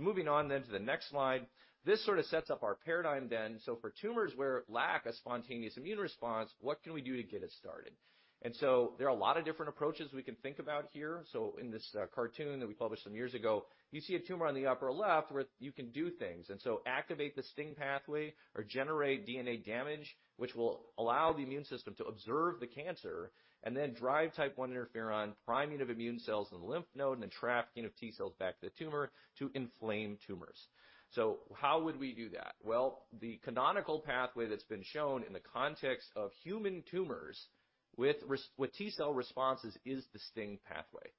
Moving on then to the next slide, this sort of sets up our paradigm then. For tumors that lack a spontaneous immune response, what can we do to get it started? There are a lot of different approaches we can think about here. In this cartoon that we published some years ago, you see a tumor on the upper left where you can do things, and so activate the STING pathway or generate DNA damage, which will allow the immune system to observe the cancer and then drive type one interferon priming of immune cells in the lymph node and the trafficking of T cells back to the tumor to inflame tumors. How would we do that? Well, the canonical pathway that's been shown in the context of human tumors with T cell responses is the STING pathway.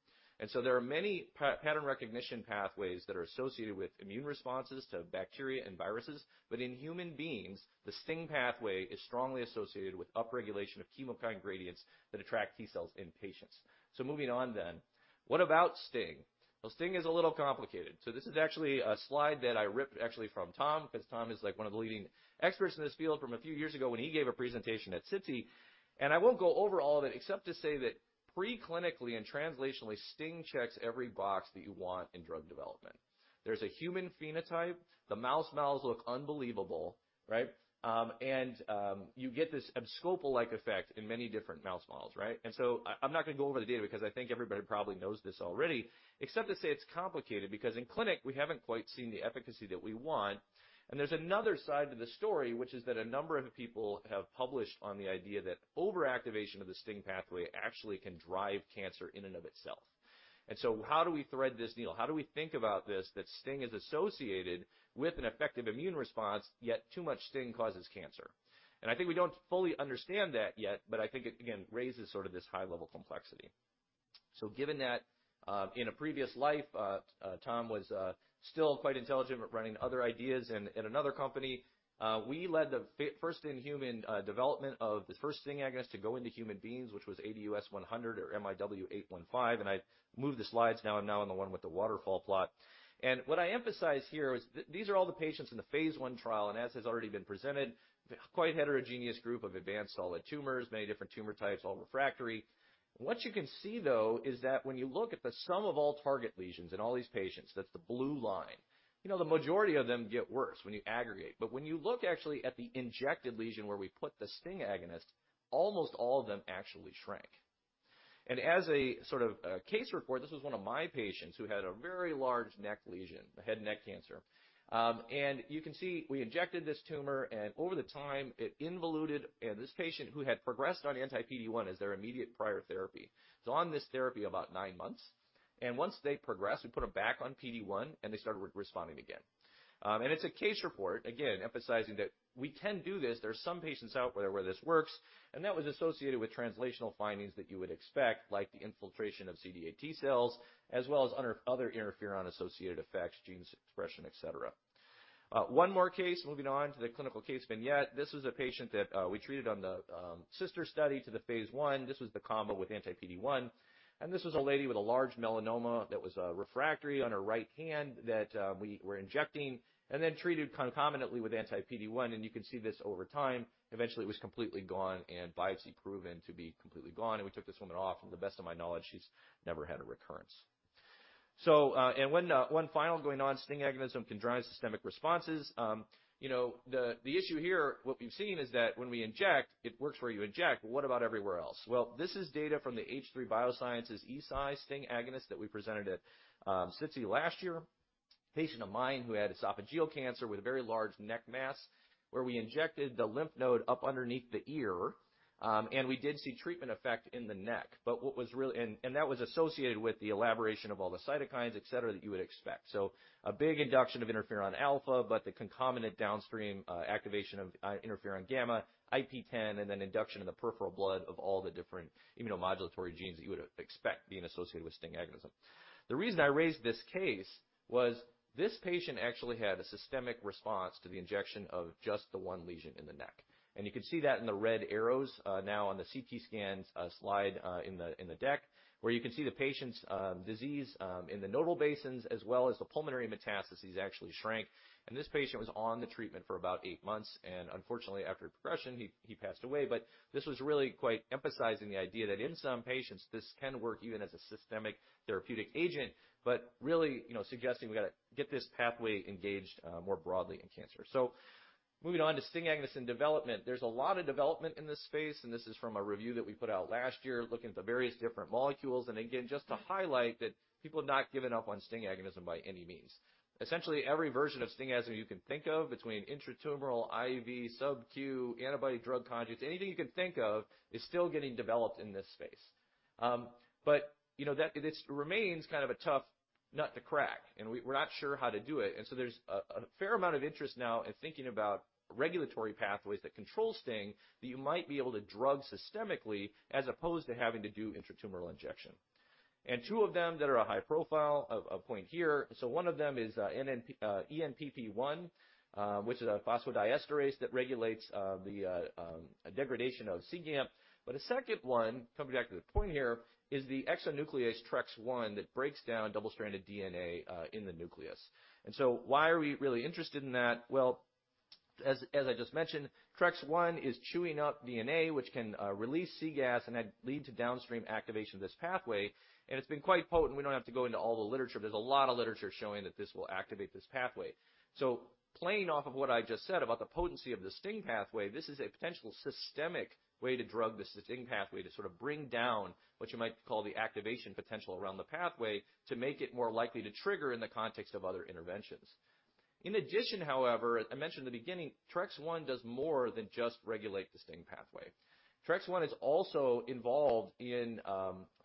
There are many pattern recognition pathways that are associated with immune responses to bacteria and viruses. In human beings, the STING pathway is strongly associated with upregulation of chemokine gradients that attract T cells in patients. Moving on, what about STING? STING is a little complicated. This is actually a slide that I ripped actually from Tom, 'cause Tom is like one of the leading experts in this field from a few years ago when he gave a presentation at SITC. I won't go over all that except to say that preclinically and translationally, STING checks every box that you want in drug development. There's a human phenotype. The mouse models look unbelievable, right? You get this abscopal-like effect in many different mouse models, right? I'm not gonna go over the data because I think everybody probably knows this already, except to say it's complicated because in clinic, we haven't quite seen the efficacy that we want. There's another side to the story, which is that a number of people have published on the idea that overactivation of the STING pathway actually can drive cancer in and of itself. How do we thread this needle? How do we think about this, that STING is associated with an effective immune response, yet too much STING causes cancer? I think we don't fully understand that yet, but I think it, again, raises sort of this high level complexity. Given that, in a previous life, Tom was still quite intelligent but running other ideas in another company, we led the first in human development of the first thing, I guess, to go into human beings, which was ADU-S100 or MIW815, and I've moved the slides now. I'm now on the one with the waterfall plot. What I emphasize here is these are all the patients in the phase I trial, and as has already been presented, quite heterogeneous group of advanced solid tumors, many different tumor types, all refractory. What you can see, though, is that when you look at the sum of all target lesions in all these patients, that's the blue line. You know, the majority of them get worse when you aggregate. When you look actually at the injected lesion where we put the STING agonist, almost all of them actually shrink. As a sort of a case report, this was one of my patients who had a very large neck lesion, a head and neck cancer. You can see we injected this tumor, and over the time, it involuted. This patient who had progressed on anti-PD-1 as their immediate prior therapy is on this therapy about 9 months. Once they progress, we put them back on PD-1, and they started re-responding again. It's a case report, again, emphasizing that we can do this. There are some patients out there where this works, and that was associated with translational findings that you would expect, like the infiltration of CD8 T cells as well as other interferon-associated effects, genes expression, et cetera. One more case, moving on to the clinical case vignette. This was a patient that we treated on the sister study to the phase I. This was the combo with anti-PD-1. This was a lady with a large melanoma that was refractory on her right hand that we were injecting and then treated concomitantly with anti-PD-1, and you can see this over time. Eventually, it was completely gone and biopsy proven to be completely gone, and we took this woman off, and to the best of my knowledge, she's never had a recurrence. One final going on, STING agonism can drive systemic responses. You know, the issue here, what we've seen is that when we inject, it works where you inject, but what about everywhere else? Well, this is data from the H3 [Bioscientist] E7766 STING agonist that we presented at SITC last year. Patient of mine who had esophageal cancer with a very large neck mass, where we injected the lymph node up underneath the ear, and we did see treatment effect in the neck. That was associated with the elaboration of all the cytokines, et cetera, that you would expect. A big induction of interferon alpha, but the concomitant downstream activation of interferon gamma, IP-10, and then induction in the peripheral blood of all the different immunomodulatory genes that you would expect being associated with STING agonism. The reason I raised this case was this patient actually had a systemic response to the injection of just the one lesion in the neck. You can see that in the red arrows now on the CT scans slide in the deck, where you can see the patient's disease in the nodal basins as well as the pulmonary metastases actually shrank. This patient was on the treatment for about eight months, and unfortunately, after progression, he passed away, but this was really quite emphasizing the idea that in some patients this can work even as a systemic therapeutic agent, but really, you know, suggesting we gotta get this pathway engaged more broadly in cancer. Moving on to STING agonism development. There's a lot of development in this space, and this is from a review that we put out last year looking at the various different molecules. Again, just to highlight that people have not given up on STING agonism by any means. Essentially, every version of STING agonism you can think of between intratumoral, IV, subcu, antibody drug conjugates, anything you can think of is still getting developed in this space. But you know, that it remains kind of a tough nut to crack, and we're not sure how to do it. There's a fair amount of interest now in thinking about regulatory pathways that control STING that you might be able to drug systemically as opposed to having to do intratumoral injection. Two of them that are a high profile I'll point here. One of them is ENPP1, which is a phosphodiesterase that regulates the degradation of cGAMP. A second one, coming back to the point here, is the exonuclease TREX-1 that breaks down double-stranded DNA in the nucleus. Why are we really interested in that? Well, as I just mentioned, TREX-1 is chewing up DNA, which can release cGAS and that lead to downstream activation of this pathway. It's been quite potent. We don't have to go into all the literature. There's a lot of literature showing that this will activate this pathway. Playing off of what I just said about the potency of the STING pathway, this is a potential systemic way to drug the STING pathway to sort of bring down what you might call the activation potential around the pathway to make it more likely to trigger in the context of other interventions. In addition, however, I mentioned the beginning, TREX-1 does more than just regulate the STING pathway. TREX-1 is also involved in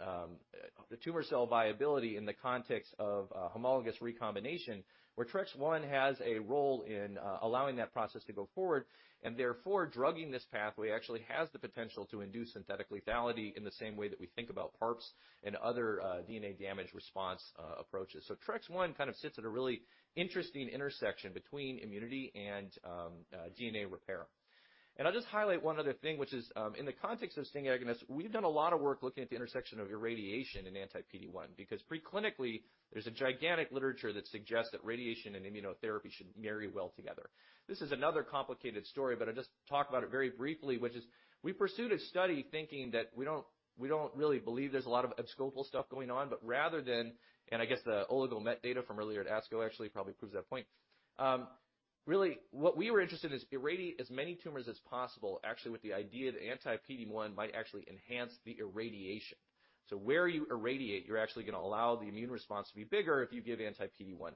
the tumor cell viability in the context of homologous recombination, where TREX-1 has a role in allowing that process to go forward, and therefore drugging this pathway actually has the potential to induce synthetic lethality in the same way that we think about PARPs and other DNA damage response approaches. TREX-1 kind of sits at a really interesting intersection between immunity and DNA repair. I'll just highlight one other thing, which is in the context of STING agonists, we've done a lot of work looking at the intersection of irradiation and anti-PD-1, because preclinically, there's a gigantic literature that suggests that radiation and immunotherapy should marry well together. This is another complicated story, but I'll just talk about it very briefly, which is we pursued a study thinking that we don't really believe there's a lot of abscopal stuff going on, but rather than, and I guess the oligometastatic data from earlier at ASCO actually probably proves that point. Really what we were interested is irradiate as many tumors as possible actually with the idea that anti-PD-1 might actually enhance the irradiation. Where you irradiate, you're actually gonna allow the immune response to be bigger if you give anti-PD-1.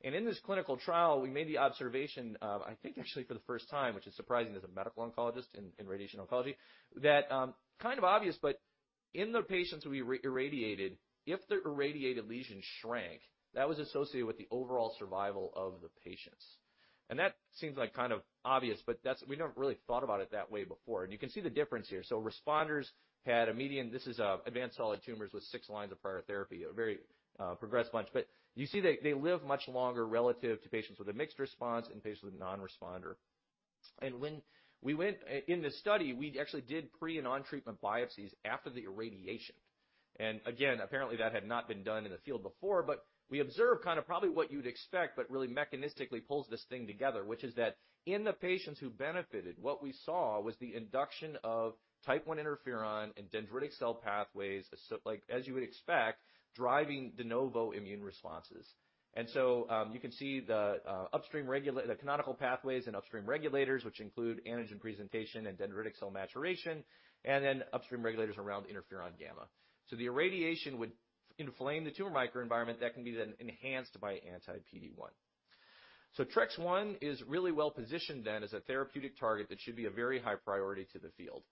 In this clinical trial, we made the observation of, I think, actually for the first time, which is surprising as a medical oncologist in radiation oncology, that, kind of obvious, but in the patients we irradiated, if the irradiated lesion shrank, that was associated with the overall survival of the patients. That seems like kind of obvious, but that's we never really thought about it that way before. You can see the difference here. Responders had a median. This is advanced solid tumors with six lines of prior therapy, a very progressed bunch. You see they live much longer relative to patients with a mixed response and patients with non-responder. When we went in the study, we actually did pre and on treatment biopsies after the irradiation. Again, apparently that had not been done in the field before, but we observed kind of probably what you'd expect, but really mechanistically pulls this thing together, which is that in the patients who benefited, what we saw was the induction of type one interferon and dendritic cell pathways, so like, as you would expect, driving de novo immune responses. You can see the canonical pathways and upstream regulators, which include antigen presentation and dendritic cell maturation, and then upstream regulators around interferon gamma. The irradiation would inflame the tumor microenvironment that can be then enhanced by anti-PD-1. TREX-1 is really well-positioned then as a therapeutic target that should be a very high priority to the field.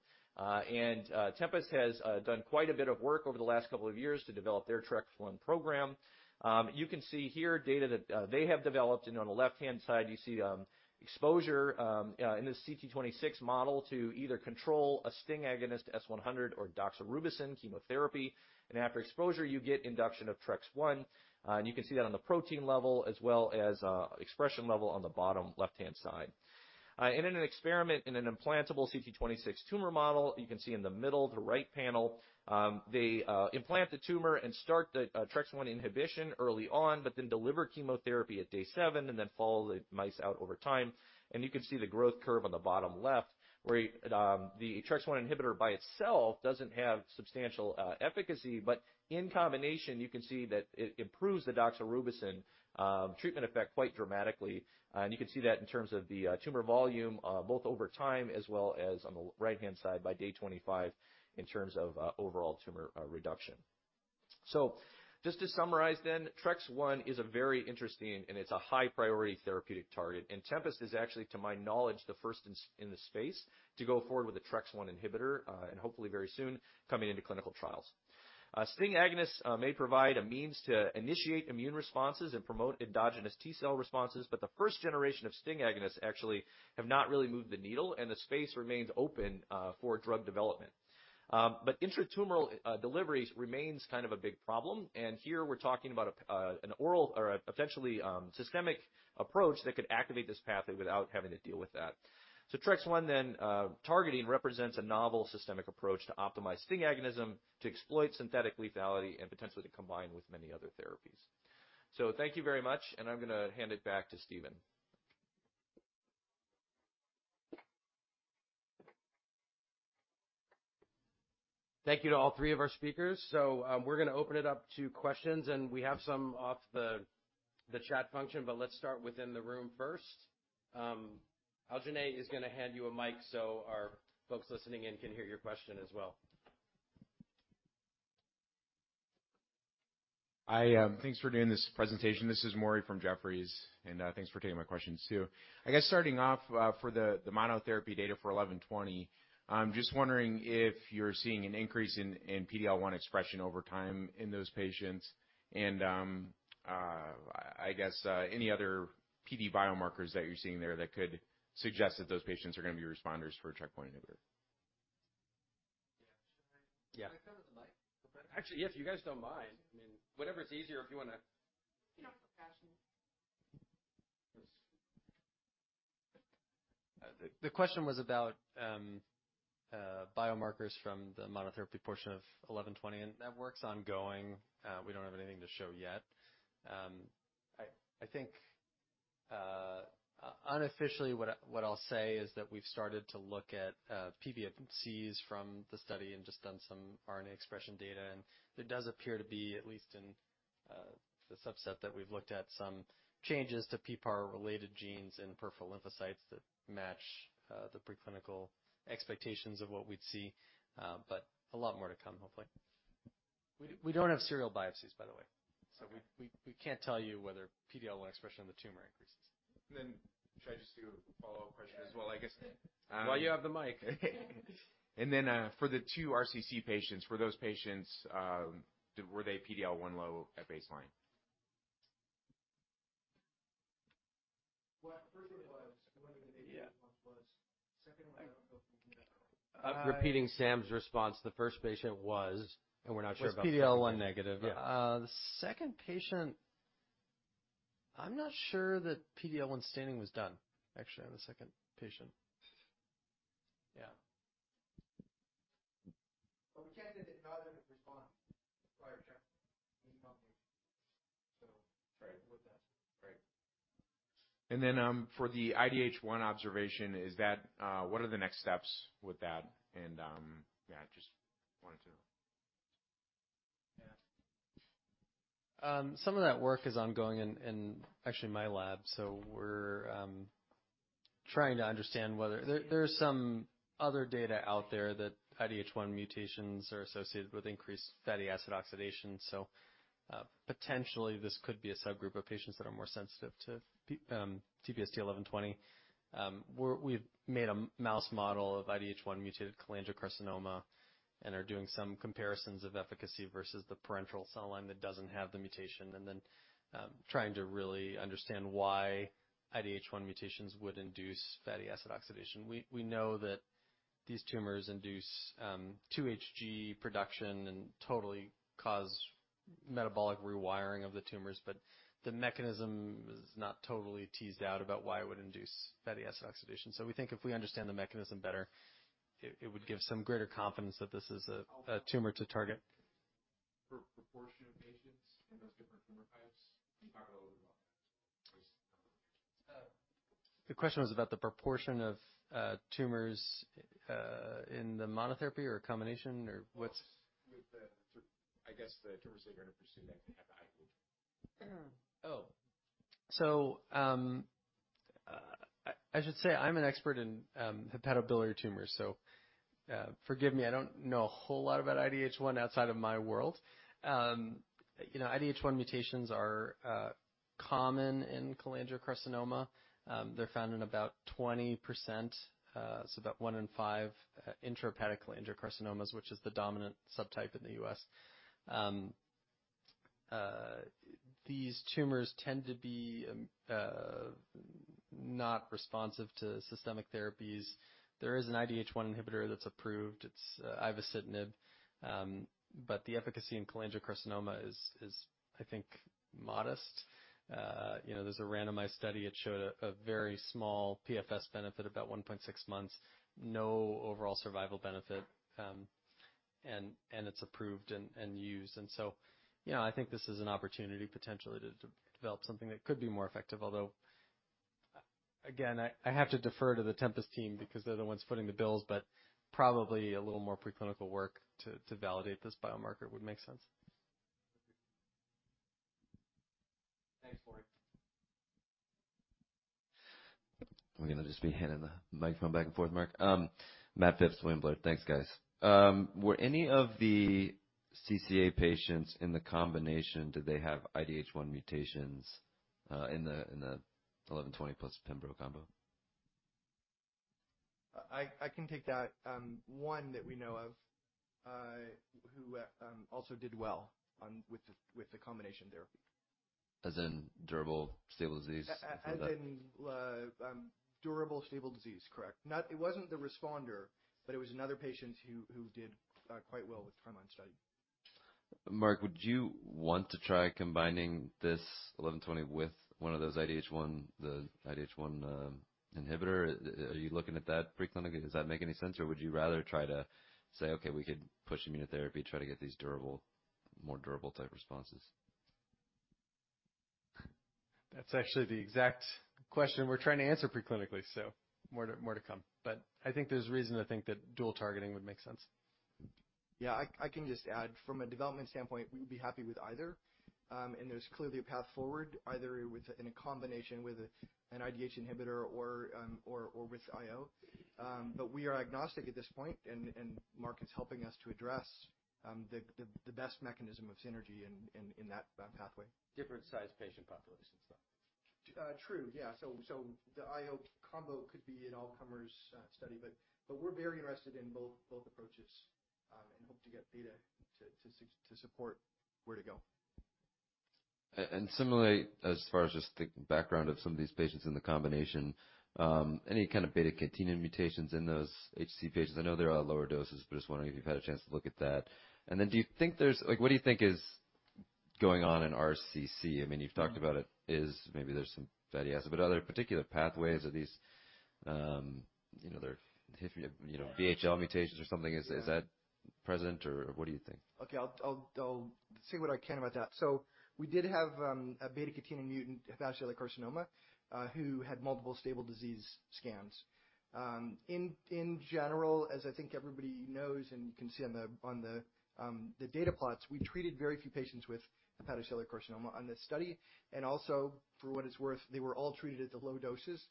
Tempest has done quite a bit of work over the last couple of years to develop their TREX-1 program. You can see here data that they have developed, and on the left-hand side, you see exposure in this CT26 model to either control a STING agonist S100 or doxorubicin chemotherapy. After exposure, you get induction of TREX-1, and you can see that on the protein level as well as expression level on the bottom left-hand side. In an experiment in an implantable CT26 tumor model, you can see in the middle, the right panel, they implant the tumor and start the TREX-1 inhibition early on, but then deliver chemotherapy at day seven and then follow the mice out over time. You can see the growth curve on the bottom left, where the TREX-1 inhibitor by itself doesn't have substantial efficacy, but in combination, you can see that it improves the doxorubicin treatment effect quite dramatically. You can see that in terms of the tumor volume, both over time as well as on the right-hand side by day 25 in terms of overall tumor reduction. Just to summarize then, TREX-1 is a very interesting and it's a high priority therapeutic target. Tempest is actually, to my knowledge, the first in the space to go forward with a TREX-1 inhibitor, and hopefully very soon coming into clinical trials. STING agonists may provide a means to initiate immune responses and promote endogenous T cell responses, but the first generation of STING agonists actually have not really moved the needle, and the space remains open for drug development. Intratumoral deliveries remains kind of a big problem. Here we're talking about an oral or a potentially systemic approach that could activate this pathway without having to deal with that. TREX-1 targeting represents a novel systemic approach to optimize STING agonism, to exploit synthetic lethality, and potentially to combine with many other therapies. Thank you very much, and I'm gonna hand it back to Stephen. Thank you to all three of our speakers. We're gonna open it up to questions, and we have some off the chat function, but let's start within the room first. Algenay is gonna hand you a mic so our folks listening in can hear your question as well. Thanks for doing this presentation. This is Maury from Jefferies, and thanks for taking my questions too. I guess starting off, for the monotherapy data for TPST-1120, I'm just wondering if you're seeing an increase in PD-L1 expression over time in those patients. I guess any other PD biomarkers that you're seeing there that could suggest that those patients are gonna be responders for a checkpoint inhibitor. Yeah. Should I? Yeah. Can I come to the mic? Is that better? Actually, yes, if you guys don't mind. I mean, whatever's easier. If you wanna. You know, for passion. The question was about biomarkers from the monotherapy portion of eleven twenty, and that work's ongoing. We don't have anything to show yet. I think, unofficially, what I'll say is that we've started to look at PBMCs from the study and just done some RNA expression data, and there does appear to be, at least in the subset that we've looked at, some changes to PPAR-related genes in peripheral lymphocytes that match the preclinical expectations of what we'd see, but a lot more to come, hopefully. We don't have serial biopsies, by the way. So we can't tell you whether PD-L1 expression of the tumor increases. Should I just do a follow-up question as well, I guess? While you have the mic. For the two RCC patients, were they PD-L1 low at baseline? Well, first one was PD-L1. Second one, I don't know if we can get that. Repeating Sam's response, the first patient was, and we're not sure about. Was PD-L1 negative. Yeah. The second patient, I'm not sure that PD-L1 staining was done, actually, on the second patient. Yeah. We can't say that neither of them respond to prior checkpoint any company. With that. Right. For the IDH1 observation, is that what are the next steps with that? Yeah, just wanted to. Yeah. Some of that work is ongoing in actually my lab, so we're trying to understand whether there's some other data out there that IDH1 mutations are associated with increased fatty acid oxidation. Potentially this could be a subgroup of patients that are more sensitive to TPST-1120. We've made a mouse model of IDH1 mutated cholangiocarcinoma and are doing some comparisons of efficacy versus the parental cell line that doesn't have the mutation, and then trying to really understand why IDH1 mutations would induce fatty acid oxidation. We know that these tumors induce 2-HG production and totally cause metabolic rewiring of the tumors, but the mechanism is not totally teased out about why it would induce fatty acid oxidation. We think if we understand the mechanism better, it would give some greater confidence that this is a tumor to target. For proportion of patients in those different tumor types, can you talk a little bit about that? Just a number of patients. The question was about the proportion of tumors in the monotherapy or combination or what's- With the, I guess, tumors that you're gonna pursue that have IDH. I should say I'm an expert in hepatobiliary tumors, so forgive me, I don't know a whole lot about IDH1 outside of my world. You know, IDH1 mutations are common in cholangiocarcinoma. They're found in about 20%, so about one in five intrahepatic cholangiocarcinomas, which is the dominant subtype in the U.S. These tumors tend to be not responsive to systemic therapies. There is an IDH1 inhibitor that's approved, it's ivosidenib, but the efficacy in cholangiocarcinoma is, I think, modest. You know, there's a randomized study, it showed a very small PFS benefit, about 1.6 months, no overall survival benefit, and it's approved and used. You know, I think this is an opportunity potentially to develop something that could be more effective. Although, again, I have to defer to the Tempest team because they're the ones footing the bills, but probably a little more preclinical work to validate this biomarker would make sense. Thanks, Maury. I'm gonna just be handing the microphone back and forth, Mark. Matt Phipps, William Blair. Thanks, guys. Were any of the CCA patients in the combination, did they have IDH1 mutations, in the TPST-1120 plus pembro combo? I can take that. One that we know of, who also did well on with the combination therapy. As in durable stable disease? Durable stable disease. Correct. It wasn't the responder, but it was another patient who did quite well with frontline study. Mark, would you want to try combining this eleven twenty with one of those IDH1 inhibitor? Are you looking at that preclinical? Does that make any sense? Or would you rather try to say, "Okay, we could push immunotherapy, try to get these durable, more durable type responses? That's actually the exact question we're trying to answer pre-clinically, so more to come. I think there's reason to think that dual targeting would make sense. Yeah. I can just add, from a development standpoint, we'd be happy with either. There's clearly a path forward, either in combination with an IDH inhibitor or with IO. We are agnostic at this point and Mark is helping us to address the best mechanism of synergy in that pathway. Different size patient populations, though. True, yeah. The IO combo could be an all-comers study. We're very interested in both approaches, and hope to get data to support where to go. Similarly, as far as just the background of some of these patients in the combination, any kind of beta-catenin mutations in those HCC patients? I know they're all lower doses, but just wondering if you've had a chance to look at that. Then do you think there's like what do you think is going on in RCC? I mean, you've talked about it is maybe there's some fatty acid, but are there particular pathways that these, you know, their VHL mutations or something, is that present or what do you think? Okay. I'll say what I can about that. We did have a beta-catenin mutant hepatocellular carcinoma who had multiple stable disease scans. In general, as I think everybody knows and you can see on the data plots, we treated very few patients with hepatocellular carcinoma on this study. Also, for what it's worth, they were all treated at the low doses.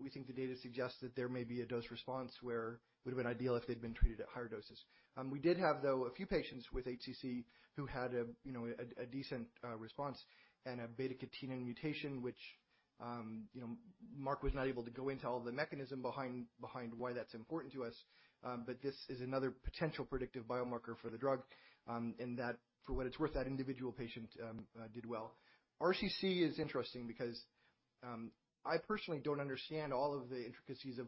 We think the data suggests that there may be a dose response where it would've been ideal if they'd been treated at higher doses. We did have a few patients with HCC who had a decent response and a beta-catenin mutation, which Mark was not able to go into all the mechanism behind why that's important to us. This is another potential predictive biomarker for the drug, and that, for what it's worth, that individual patient, did well. RCC is interesting because, I personally don't understand all of the intricacies of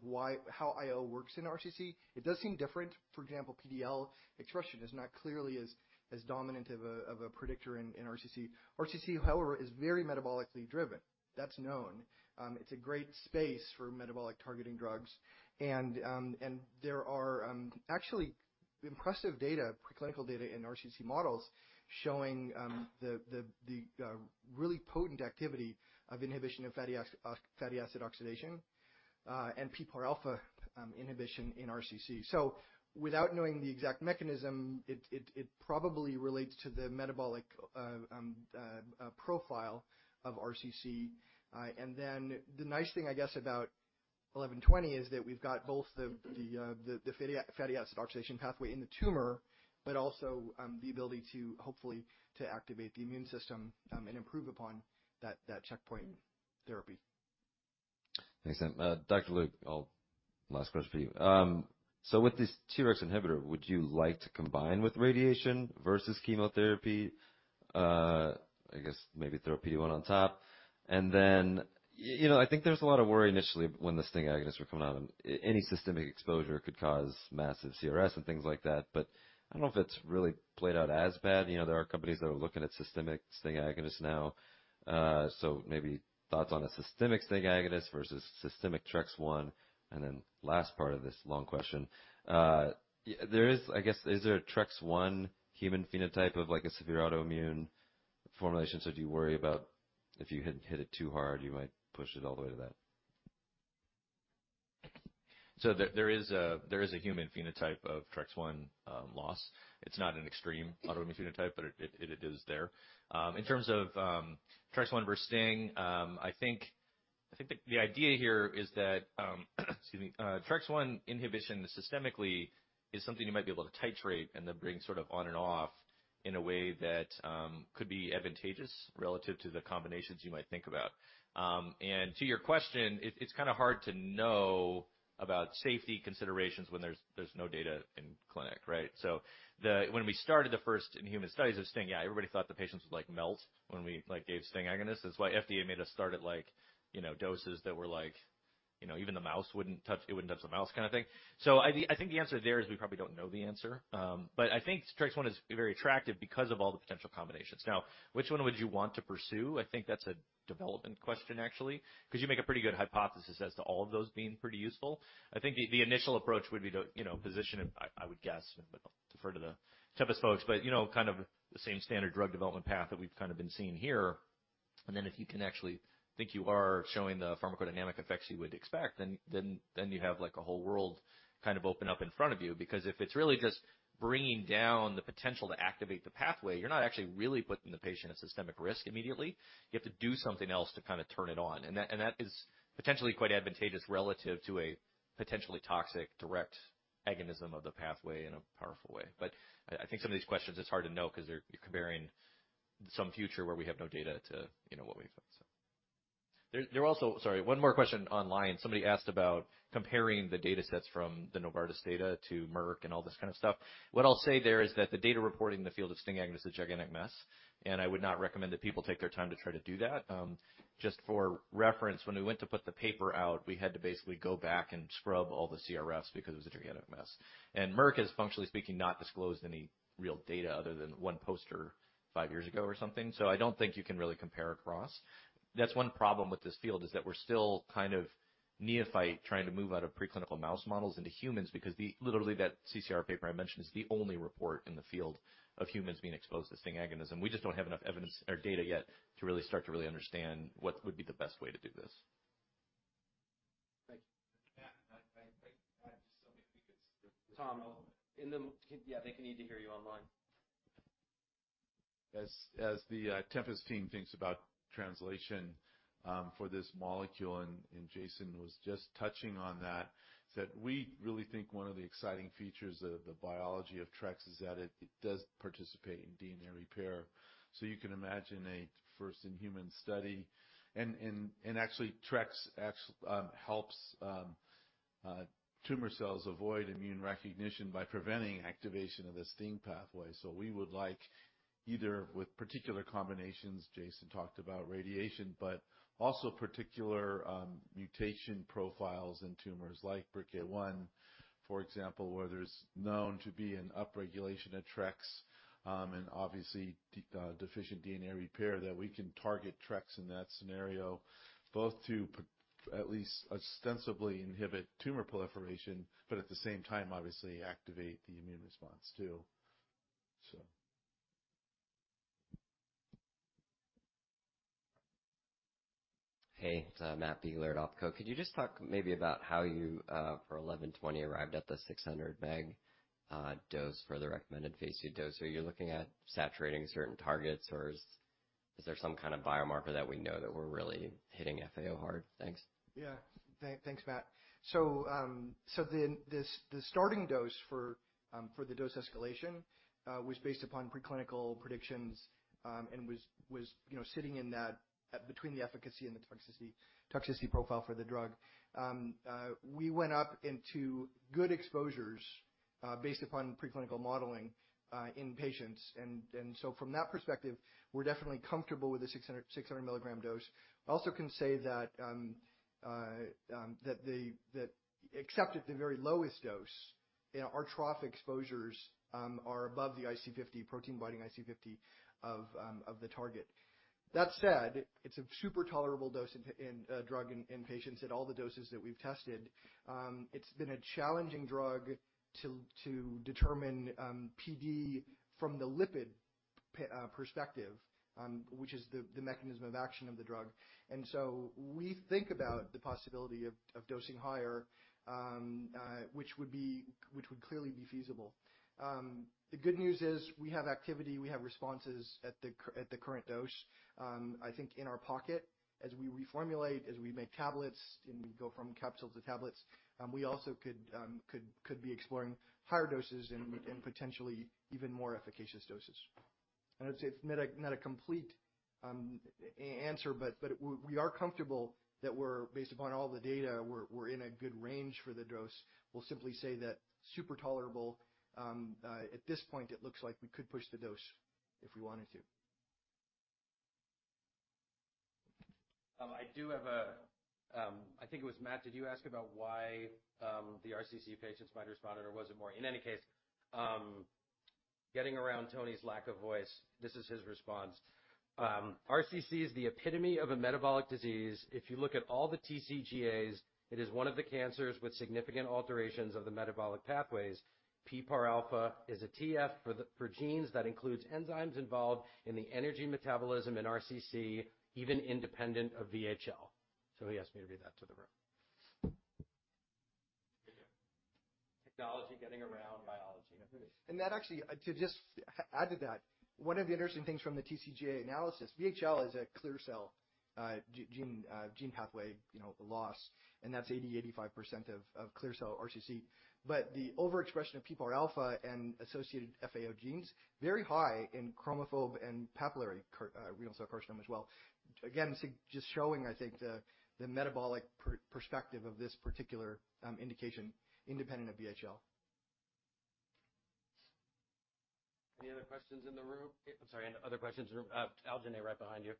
how IO works in RCC. It does seem different. For example, PD-L1 expression is not clearly as dominant of a predictor in RCC. RCC, however, is very metabolically driven. That's known. It's a great space for metabolic targeting drugs. And there are actually impressive data, preclinical data in RCC models showing, the really potent activity of inhibition of fatty acid oxidation, and PPARα inhibition in RCC. Without knowing the exact mechanism, it probably relates to the metabolic profile of RCC. The nice thing, I guess, about TPST-1120 is that we've got both the fatty acid oxidation pathway in the tumor, but also the ability to hopefully activate the immune system and improve upon that checkpoint therapy. Thanks. Dr. Luke, last question for you. So with this TREX-1 inhibitor, would you like to combine with radiation versus chemotherapy? I guess maybe throw PD-1 on top. And then, you know, I think there was a lot of worry initially when the STING agonists were coming out, any systemic exposure could cause massive CRS and things like that, but I don't know if it's really played out as bad. You know, there are companies that are looking at systemic STING agonists now. So maybe thoughts on a systemic STING agonist versus systemic TREX-1. And then last part of this long question, there is. I guess is there a TREX-1 human phenotype of like a severe autoimmune formulation? So do you worry about if you hit it too hard, you might push it all the way to that? There is a human phenotype of TREX-1 loss. It's not an extreme autoimmune phenotype, but it is there. In terms of TREX-1 versus STING, I think the idea here is that TREX-1 inhibition systemically is something you might be able to titrate and then bring sort of on and off in a way that could be advantageous relative to the combinations you might think about. To your question, it's kinda hard to know about safety considerations when there's no data in clinic, right? When we started the first in-human studies of STING, yeah, everybody thought the patients would like melt when we like gave STING agonist. That's why FDA made us start at like, you know, doses that were like, you know, even the mouse wouldn't touch, it wouldn't touch the mouse kinda thing. I think the answer there is we probably don't know the answer. But I think TREX-1 is very attractive because of all the potential combinations. Now, which one would you want to pursue? I think that's a development question actually, 'cause you make a pretty good hypothesis as to all of those being pretty useful. I think the initial approach would be to, you know, position, I would guess, but I'll defer to the Tempest folks. You know, kind of the same standard drug development path that we've kind of been seeing here. Then if you can actually think you are showing the pharmacodynamic effects you would expect, then you have like a whole world kind of open up in front of you, because if it's really just bringing down the potential to activate the pathway, you're not actually really putting the patient at systemic risk immediately. You have to do something else to kinda turn it on. And that is potentially quite advantageous relative to a potentially toxic direct agonism of the pathway in a powerful way. But I think some of these questions, it's hard to know 'cause they're comparing some future where we have no data to, you know, what we've got. There are also. Sorry, one more question online. Somebody asked about comparing the datasets from the Novartis data to Merck and all this kind of stuff. What I'll say there is that the data reporting in the field of STING agonist is a gigantic mess, and I would not recommend that people take their time to try to do that. Just for reference, when we went to put the paper out, we had to basically go back and scrub all the CRFs because it was a gigantic mess. Merck has, functionally speaking, not disclosed any real data other than one poster five years ago or something. I don't think you can really compare across. That's one problem with this field, is that we're still kind of neophyte trying to move out of preclinical mouse models into humans because literally, that CCR paper I mentioned is the only report in the field of humans being exposed to STING agonism. We just don't have enough evidence or data yet to really start to really understand what would be the best way to do this. I have to still maybe because there. Tom, yeah, they need to hear you online. The Tempest team thinks about translation for this molecule, and Jason was just touching on that, is that we really think one of the exciting features of the biology of TREX-1 is that it does participate in DNA repair. You can imagine a first-in-human study and actually TREX-1 helps tumor cells avoid immune recognition by preventing activation of the STING pathway. We would like either with particular combinations, Jason talked about radiation, but also particular mutation profiles in tumors like [BRCA1], for example, where there's known to be an upregulation of TREX-1, and obviously deficient DNA repair that we can target TREX-1 in that scenario, both to at least ostensibly inhibit tumor proliferation, but at the same time, obviously activate the immune response too. Hey, it's Matt Biegler, Oppenheimer & Co. Could you just talk maybe about how you for eleven twenty arrived at the 600 mg dose for the recommended phase II dose? Are you looking at saturating certain targets or is there some kind of biomarker that we know that we're really hitting FAO hard? Thanks. Yeah. Thanks, Matt. This, the starting dose for the dose escalation was based upon preclinical predictions and was, you know, sitting in that between the efficacy and the toxicity profile for the drug. We went up to good exposures based upon preclinical modeling in patients. From that perspective, we're definitely comfortable with the 600 mg dose. I also can say that that except at the very lowest dose, you know, our trough exposures are above the IC50, protein binding IC50 of the target. That said, it's a super tolerable dose of the drug in patients at all the doses that we've tested. It's been a challenging drug to determine PD from the lipid perspective, which is the mechanism of action of the drug. We think about the possibility of dosing higher, which would clearly be feasible. The good news is we have activity, we have responses at the current dose. I think in our pocket as we reformulate, as we make tablets and we go from capsules to tablets, we also could be exploring higher doses and potentially even more efficacious doses. I'd say it's not a complete answer, but we are comfortable that we're based upon all the data, we're in a good range for the dose. We'll simply say that super tolerable. At this point, it looks like we could push the dose if we wanted to. I think it was Matt. Did you ask about why the RCC patients might have responded or was it more? In any case, getting around Toni's lack of voice, this is his response. "RCC is the epitome of a metabolic disease. If you look at all the TCGA, it is one of the cancers with significant alterations of the metabolic pathways. PPARα is a TF for genes that includes enzymes involved in the energy metabolism in RCC, even independent of VHL." So he asked me to read that to the room. Technology getting around biology. That actually. To just add to that, one of the interesting things from the TCGA analysis, VHL is a clear cell gene pathway, you know, loss, and that's 85% of clear cell RCC. The overexpression of PPARα and associated FAO genes very high in chromophobe and papillary renal cell carcinoma as well. Again, see, just showing, I think, the metabolic perspective of this particular indication independent of VHL. Any other questions in the room? I'm sorry, any other questions in the room? Algenay right behind you.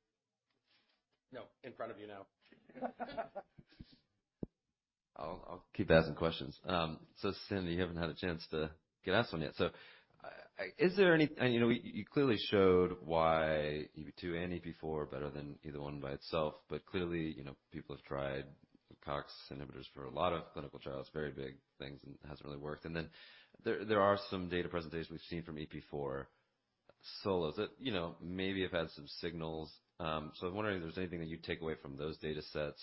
No, in front of you now. I'll keep asking questions. [Cyn], you haven't had a chance to get asked one yet. Is there any? You know, you clearly showed why EP2 and EP4 are better than either one by itself. Clearly, you know, people have tried COX inhibitors for a lot of clinical trials, very big things, and it hasn't really worked. Then there are some data presentations we've seen from EP4 solos that, you know, maybe have had some signals. I'm wondering if there's anything that you take away from those datasets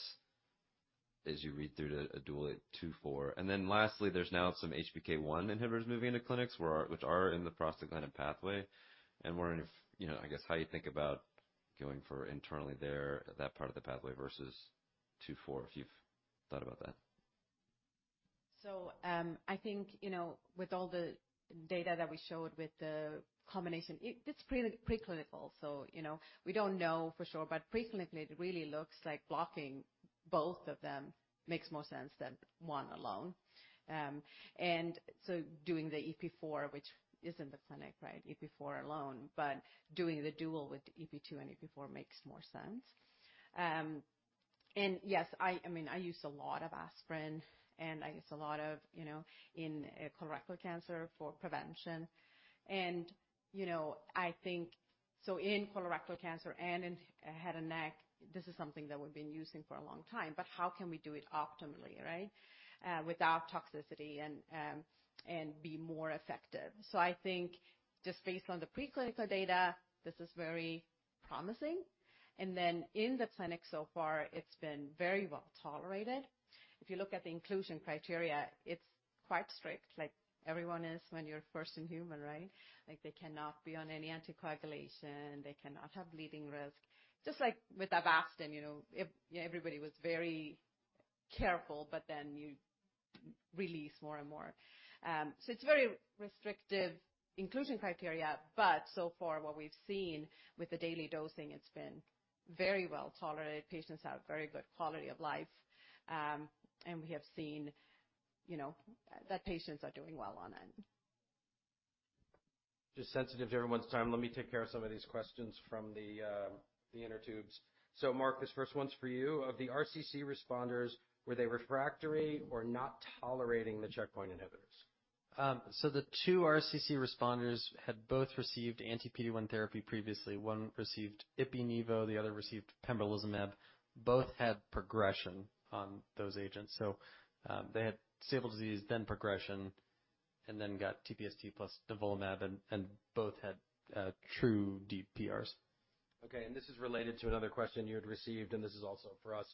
as you read through the dual EP2/EP4. Then lastly, there's now some [HPK1] inhibitors moving into clinics, which are in the prostaglandin pathway. Wondering if, you know, I guess how you think about going for EP2 there, that part of the pathway versus EP4, if you've thought about that? I think, you know, with all the data that we showed with the combination, it's pretty preclinical. You know, we don't know for sure, but preclinically, it really looks like blocking both of them makes more sense than one alone. Doing the EP4, which is in the clinic, right? EP4 alone, but doing the dual with the EP2 and EP4 makes more sense. Yes, I mean, I use a lot of aspirin and I use a lot of, you know, in colorectal cancer for prevention. You know, I think, in colorectal cancer and in head and neck, this is something that we've been using for a long time. How can we do it optimally, right? Without toxicity and be more effective. I think just based on the preclinical data, this is very promising. In the clinic so far it's been very well tolerated. If you look at the inclusion criteria, it's quite strict, like everyone is when you're first in human, right? Like, they cannot be on any anticoagulation. They cannot have bleeding risk. Just like with Avastin, you know, if everybody was very careful, but then you release more and more. It's very restrictive inclusion criteria. So far what we've seen with the daily dosing, it's been very well tolerated. Patients have very good quality of life. We have seen, you know, that patients are doing well on it. Just sensitive to everyone's time. Let me take care of some of these questions from the internet. Mark, this first one's for you. Of the RCC responders, were they refractory or not tolerating the checkpoint inhibitors? The two RCC responders had both received anti-PD-1 therapy previously. One received ipilimumab-nivolumab, the other received pembrolizumab. Both had progression on those agents. They had stable disease, then progression, and then got TPST plus nivolumab, and both had true deep PRs. Okay. This is related to another question you had received, and this is also for us.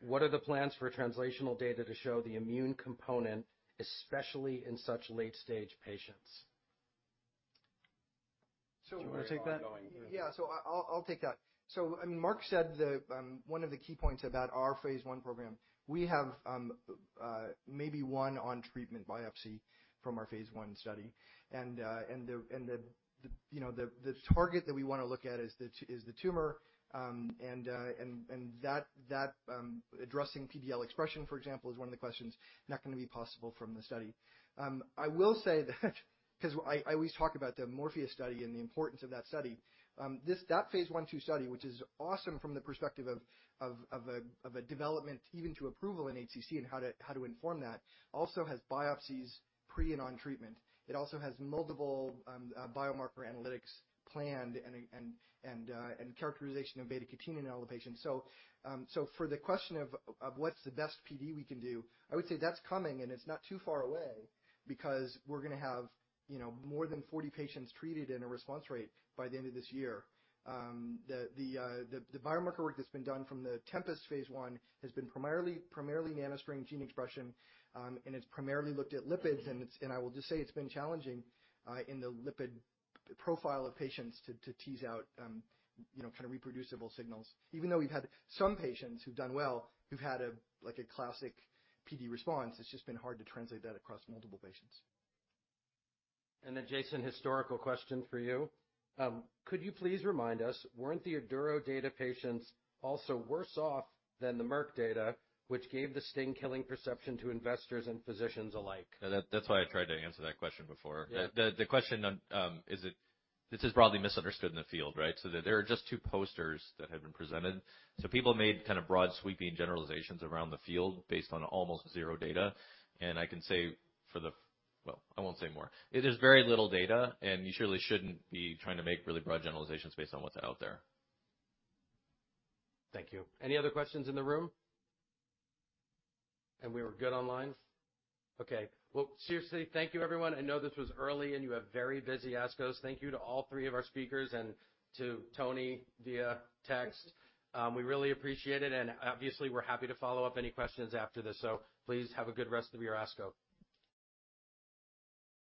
What are the plans for translational data to show the immune component, especially in such late stage patients? Do you wanna take that? I'll take that. Mark said that one of the key points about our phase I program, we have maybe 1 on-treatment biopsy from our phase I study. You know, the target that we wanna look at is the tumor. Addressing PD-L1 expression, for example, is one of the questions not gonna be possible from the study. I will say that 'cause I always talk about the Morpheus study and the importance of that study. That phase I/II study, which is awesome from the perspective of a development even to approval in HCC and how to inform that, also has biopsies pre- and on-treatment. It also has multiple biomarker analytics planned and characterization of beta-catenin in all the patients. For the question of what's the best PD we can do, I would say that's coming and it's not too far away because we're gonna have, you know, more than 40 patients treated in a response rate by the end of this year. The biomarker work that's been done from the Tempest phase I has been primarily Nanostring gene expression, and it's primarily looked at lipids. I will just say it's been challenging in the lipid profile of patients to tease out, you know, kinda reproducible signals. Even though we've had some patients who've done well, who've had a, like a classic PD response, it's just been hard to translate that across multiple patients. Jason, historical question for you. Could you please remind us, weren't the Aduro data patients also worse off than the Merck data, which gave the STING killing perception to investors and physicians alike? That's why I tried to answer that question before. Yeah. This is broadly misunderstood in the field, right? There are just two posters that have been presented. People made kind of broad, sweeping generalizations around the field based on almost zero data. Well, I won't say more. It is very little data, and you surely shouldn't be trying to make really broad generalizations based on what's out there. Thank you. Any other questions in the room? We were good online? Okay. Well, seriously, thank you everyone. I know this was early, and you have very busy ASCOs. Thank you to all three of our speakers and to Toni via text. We really appreciate it, and obviously, we're happy to follow up any questions after this, so please have a good rest of your ASCO.